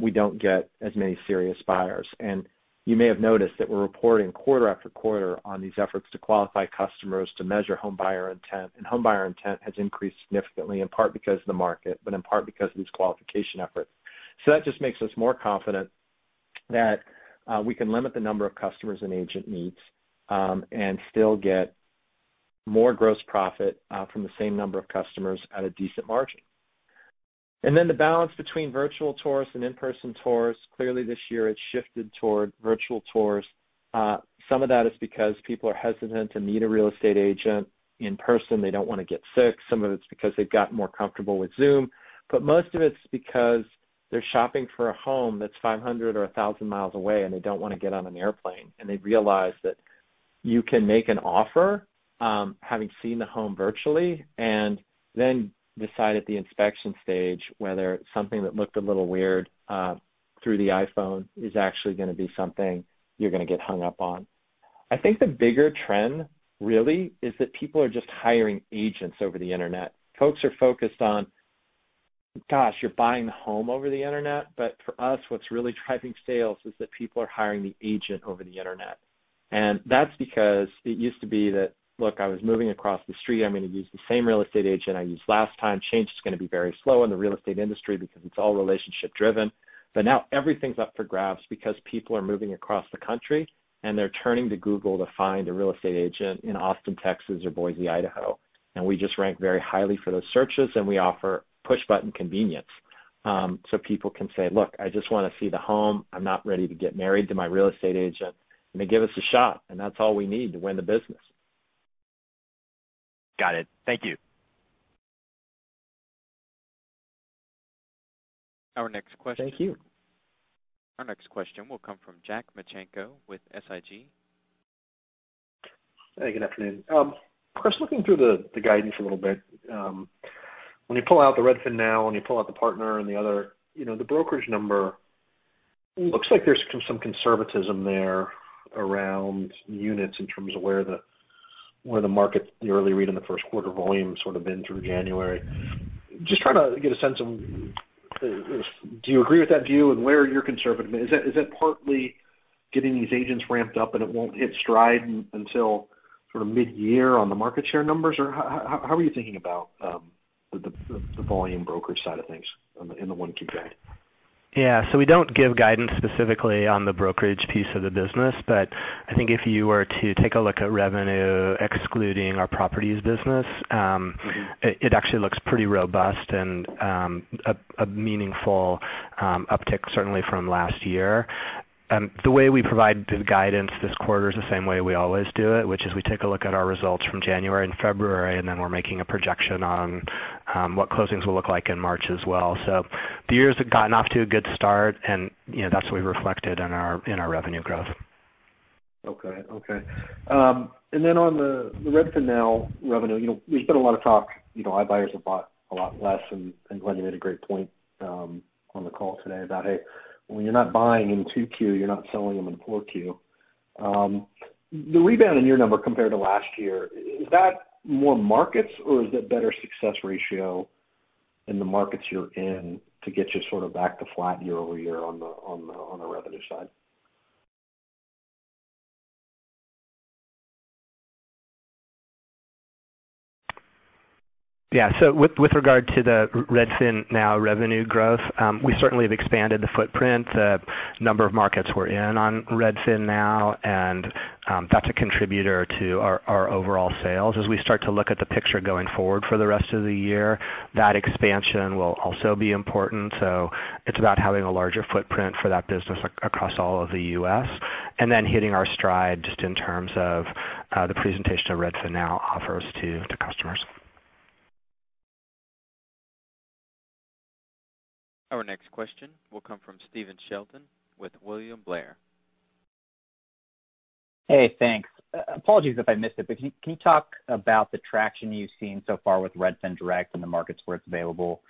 we don't get as many serious buyers. You may have noticed that we're reporting quarter after quarter on these efforts to qualify customers to measure home buyer intent, and home buyer intent has increased significantly, in part because of the market, but in part because of these qualification efforts. That just makes us more confident that we can limit the number of customers an agent meets, and still get more gross profit from the same number of customers at a decent margin. Then the balance between virtual tours and in-person tours. Clearly this year it's shifted toward virtual tours. Some of that is because people are hesitant to meet a real estate agent in person. They don't want to get sick. Some of it's because they've gotten more comfortable with Zoom. Most of it's because they're shopping for a home that's 500 mi or 1,000 mi away, and they don't want to get on an airplane. They've realized that you can make an offer having seen the home virtually, and then decide at the inspection stage whether something that looked a little weird through the iPhone is actually going to be something you're going to get hung up on. I think the bigger trend really is that people are just hiring agents over the internet. Folks are focused on, gosh, you're buying a home over the internet? For us, what's really driving sales is that people are hiring the agent over the internet. That's because it used to be that, look, I was moving across the street. I'm going to use the same real estate agent I used last time. Change is going to be very slow in the real estate industry because it's all relationship driven. Now everything's up for grabs because people are moving across the country, and they're turning to Google to find a real estate agent in Austin, Texas, or Boise, Idaho. We just rank very highly for those searches, and we offer push button convenience. People can say, "Look, I just want to see the home. I'm not ready to get married to my real estate agent," and they give us a shot, and that's all we need to win the business. Got it. Thank you. Our next question. Thank you. Our next question will come from Jack Micenko with SIG. Hey, good afternoon. Chris, looking through the guidance a little bit, when you pull out the RedfinNow, when you pull out the partner and the other, the brokerage number looks like there's some conservatism there around units in terms of where the market, the early read on the first quarter volume sort of been through January. Just trying to get a sense of, do you agree with that view and where are your conservativeness Is that partly getting these agents ramped up and it won't hit stride until sort of mid-year on the market share numbers? How are you thinking about the volume brokerage side of things in the 1Q guide? We don't give guidance specifically on the brokerage piece of the business. I think if you were to take a look at revenue excluding our properties business. it actually looks pretty robust and a meaningful uptick certainly from last year. The way we provide the guidance this quarter is the same way we always do it, which is we take a look at our results from January and February, and then we're making a projection on what closings will look like in March as well. The year's gotten off to a good start, and that's what we reflected in our revenue growth. Okay. On the RedfinNow revenue, there's been a lot of talk, iBuyers have bought a lot less. Glenn, you made a great point on the call today about, "Hey, when you're not buying in 2Q, you're not selling them in 4Q." The rebound in your number compared to last year, is that more markets or is it better success ratio in the markets you're in to get you sort of back to flat year-over-year on the revenue side? Yeah. With regard to the RedfinNow revenue growth, we certainly have expanded the footprint, the number of markets we're in on RedfinNow, and that's a contributor to our overall sales. As we start to look at the picture going forward for the rest of the year, that expansion will also be important. It's about having a larger footprint for that business across all of the U.S., and then hitting our stride just in terms of the presentation that RedfinNow offers to customers. Our next question will come from Stephen Sheldon with William Blair. Hey, thanks. Apologies if I missed it, but can you talk about the traction you've seen so far with Redfin Direct in the markets where it's available,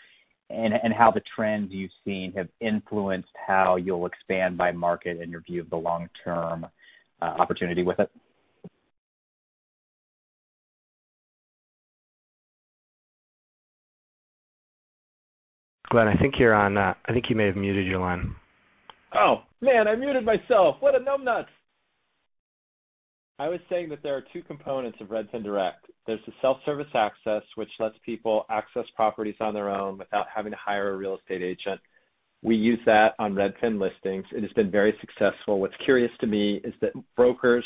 and how the trends you've seen have influenced how you'll expand by market and your view of the long-term opportunity with it? Glenn, I think you're on, I think you may have muted your line. Oh, man, I muted myself. What a numb nuts. I was saying that there are two components of Redfin Direct. There's the self-service access, which lets people access properties on their own without having to hire a real estate agent. We use that on Redfin listings. It has been very successful. What's curious to me is that brokers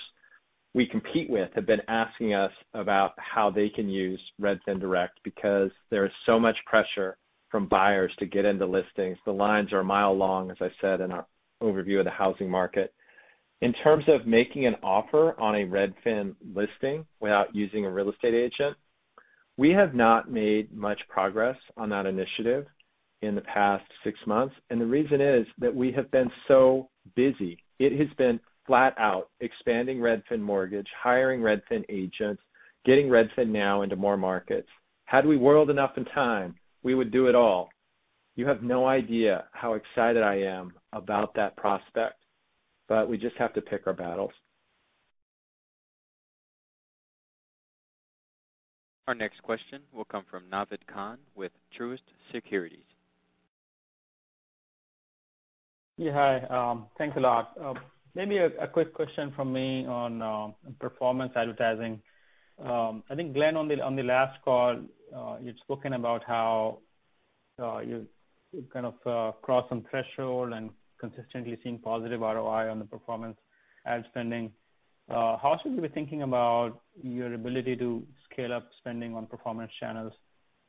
we compete with have been asking us about how they can use Redfin Direct because there is so much pressure from buyers to get into listings. The lines are a mile long, as I said in our overview of the housing market. In terms of making an offer on a Redfin listing without using a real estate agent, we have not made much progress on that initiative in the past six months, and the reason is that we have been so busy. It has been flat out expanding Redfin Mortgage, hiring Redfin agents, getting RedfinNow into more markets. Had we willed enough in time, we would do it all. You have no idea how excited I am about that prospect, but we just have to pick our battles. Our next question will come from Naved Khan with Truist Securities. Yeah, hi. Thanks a lot. Maybe a quick question from me on performance advertising. I think Glenn, on the last call, you'd spoken about how you kind of crossed some threshold and consistently seeing positive ROI on the performance ad spending. How should we be thinking about your ability to scale up spending on performance channels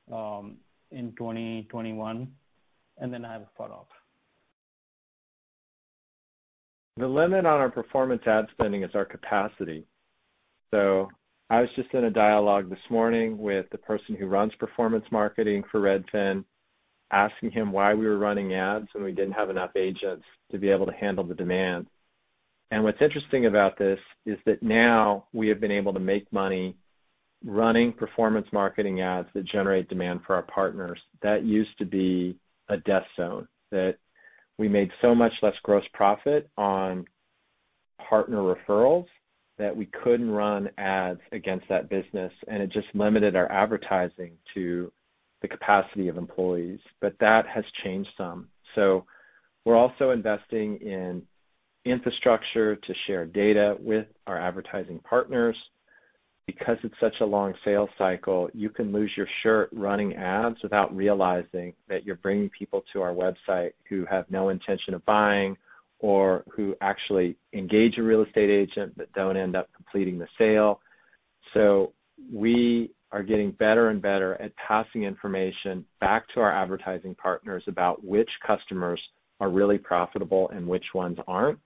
in 2021? I have a follow-up. The limit on our performance ad spending is our capacity. I was just in a dialogue this morning with the person who runs performance marketing for Redfin, asking him why we were running ads when we didn't have enough agents to be able to handle the demand. What's interesting about this is that now we have been able to make money running performance marketing ads that generate demand for our partners. That used to be a death zone, that we made so much less gross profit on partner referrals that we couldn't run ads against that business, and it just limited our advertising to the capacity of employees. That has changed some. We're also investing in infrastructure to share data with our advertising partners. Because it's such a long sales cycle, you can lose your shirt running ads without realizing that you're bringing people to our website who have no intention of buying or who actually engage a real estate agent but don't end up completing the sale. We are getting better and better at passing information back to our advertising partners about which customers are really profitable and which ones aren't,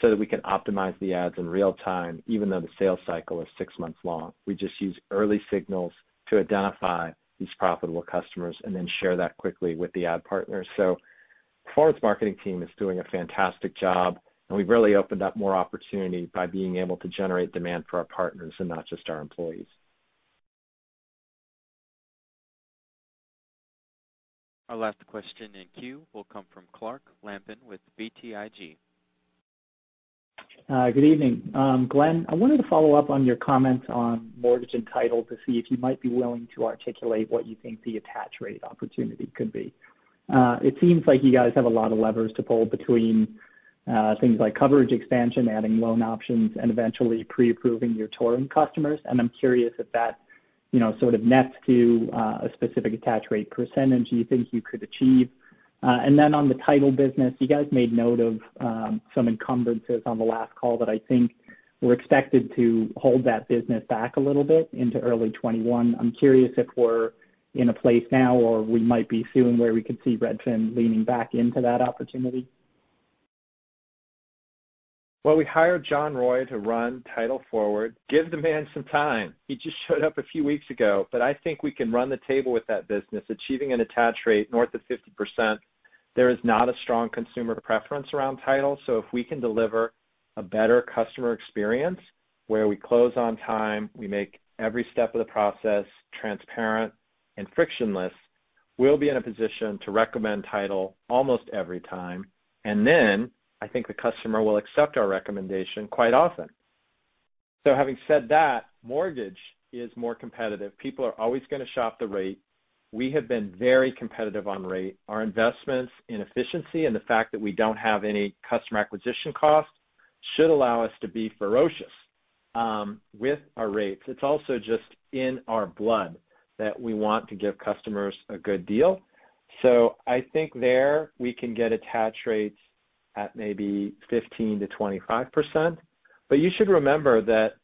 so that we can optimize the ads in real time, even though the sales cycle is six months long. We just use early signals to identify these profitable customers and then share that quickly with the ad partners. Performance marketing team is doing a fantastic job, and we've really opened up more opportunity by being able to generate demand for our partners and not just our employees. Our last question in queue will come from Clark Lampen with BTIG. Good evening. Glenn, I wanted to follow up on your comments on mortgage and title to see if you might be willing to articulate what you think the attach rate opportunity could be. It seems like you guys have a lot of levers to pull between things like coverage expansion, adding loan options, and eventually pre-approving your touring customers. I'm curious if that nets to a specific attach rate percentage you think you could achieve. Then on the title business, you guys made note of some encumbrances on the last call that I think were expected to hold that business back a little bit into early 2021. I'm curious if we're in a place now or we might be soon where we could see Redfin leaning back into that opportunity. Well, we hired John Roy to run Title Forward. Give the man some time. He just showed up a few weeks ago. I think we can run the table with that business, achieving an attach rate north of 50%. There is not a strong consumer preference around Title, if we can deliver a better customer experience where we close on time, we make every step of the process transparent and frictionless, we'll be in a position to recommend Title almost every time. I think the customer will accept our recommendation quite often. Having said that, mortgage is more competitive. People are always going to shop the rate. We have been very competitive on rate. Our investments in efficiency and the fact that we don't have any customer acquisition costs should allow us to be ferocious with our rates. It's also just in our blood that we want to give customers a good deal. I think there we can get attach rates at maybe 15%-25%, but you should remember that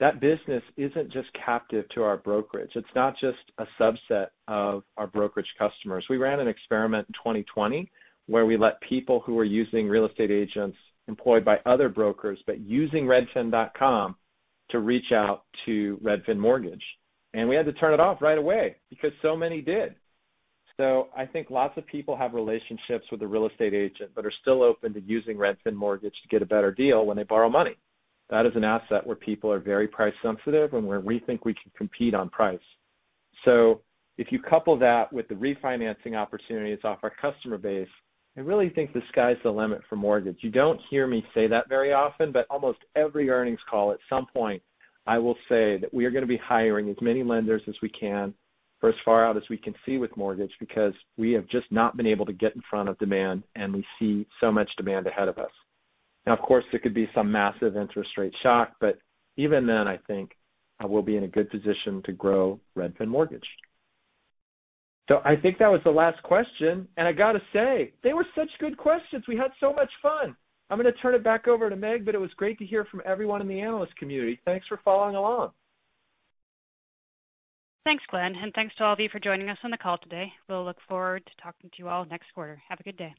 that business isn't just captive to our brokerage. It's not just a subset of our brokerage customers. We ran an experiment in 2020 where we let people who were using real estate agents employed by other brokers, but using redfin.com to reach out to Redfin Mortgage, and we had to turn it off right away because so many did. I think lots of people have relationships with a real estate agent but are still open to using Redfin Mortgage to get a better deal when they borrow money. That is an asset where people are very price sensitive and where we think we can compete on price. If you couple that with the refinancing opportunities off our customer base, I really think the sky's the limit for mortgage. You don't hear me say that very often, but almost every earnings call at some point, I will say that we are going to be hiring as many lenders as we can for as far out as we can see with mortgage because we have just not been able to get in front of demand, and we see so much demand ahead of us. Of course, there could be some massive interest rate shock, but even then, I think we'll be in a good position to grow Redfin Mortgage. I think that was the last question, and I got to say they were such good questions. We had so much fun. I'm going to turn it back over to Meg, but it was great to hear from everyone in the analyst community. Thanks for following along. Thanks, Glenn. Thanks to all of you for joining us on the call today. We'll look forward to talking to you all next quarter. Have a good day.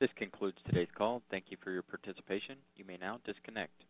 This concludes today's call. Thank you for your participation. You may now disconnect.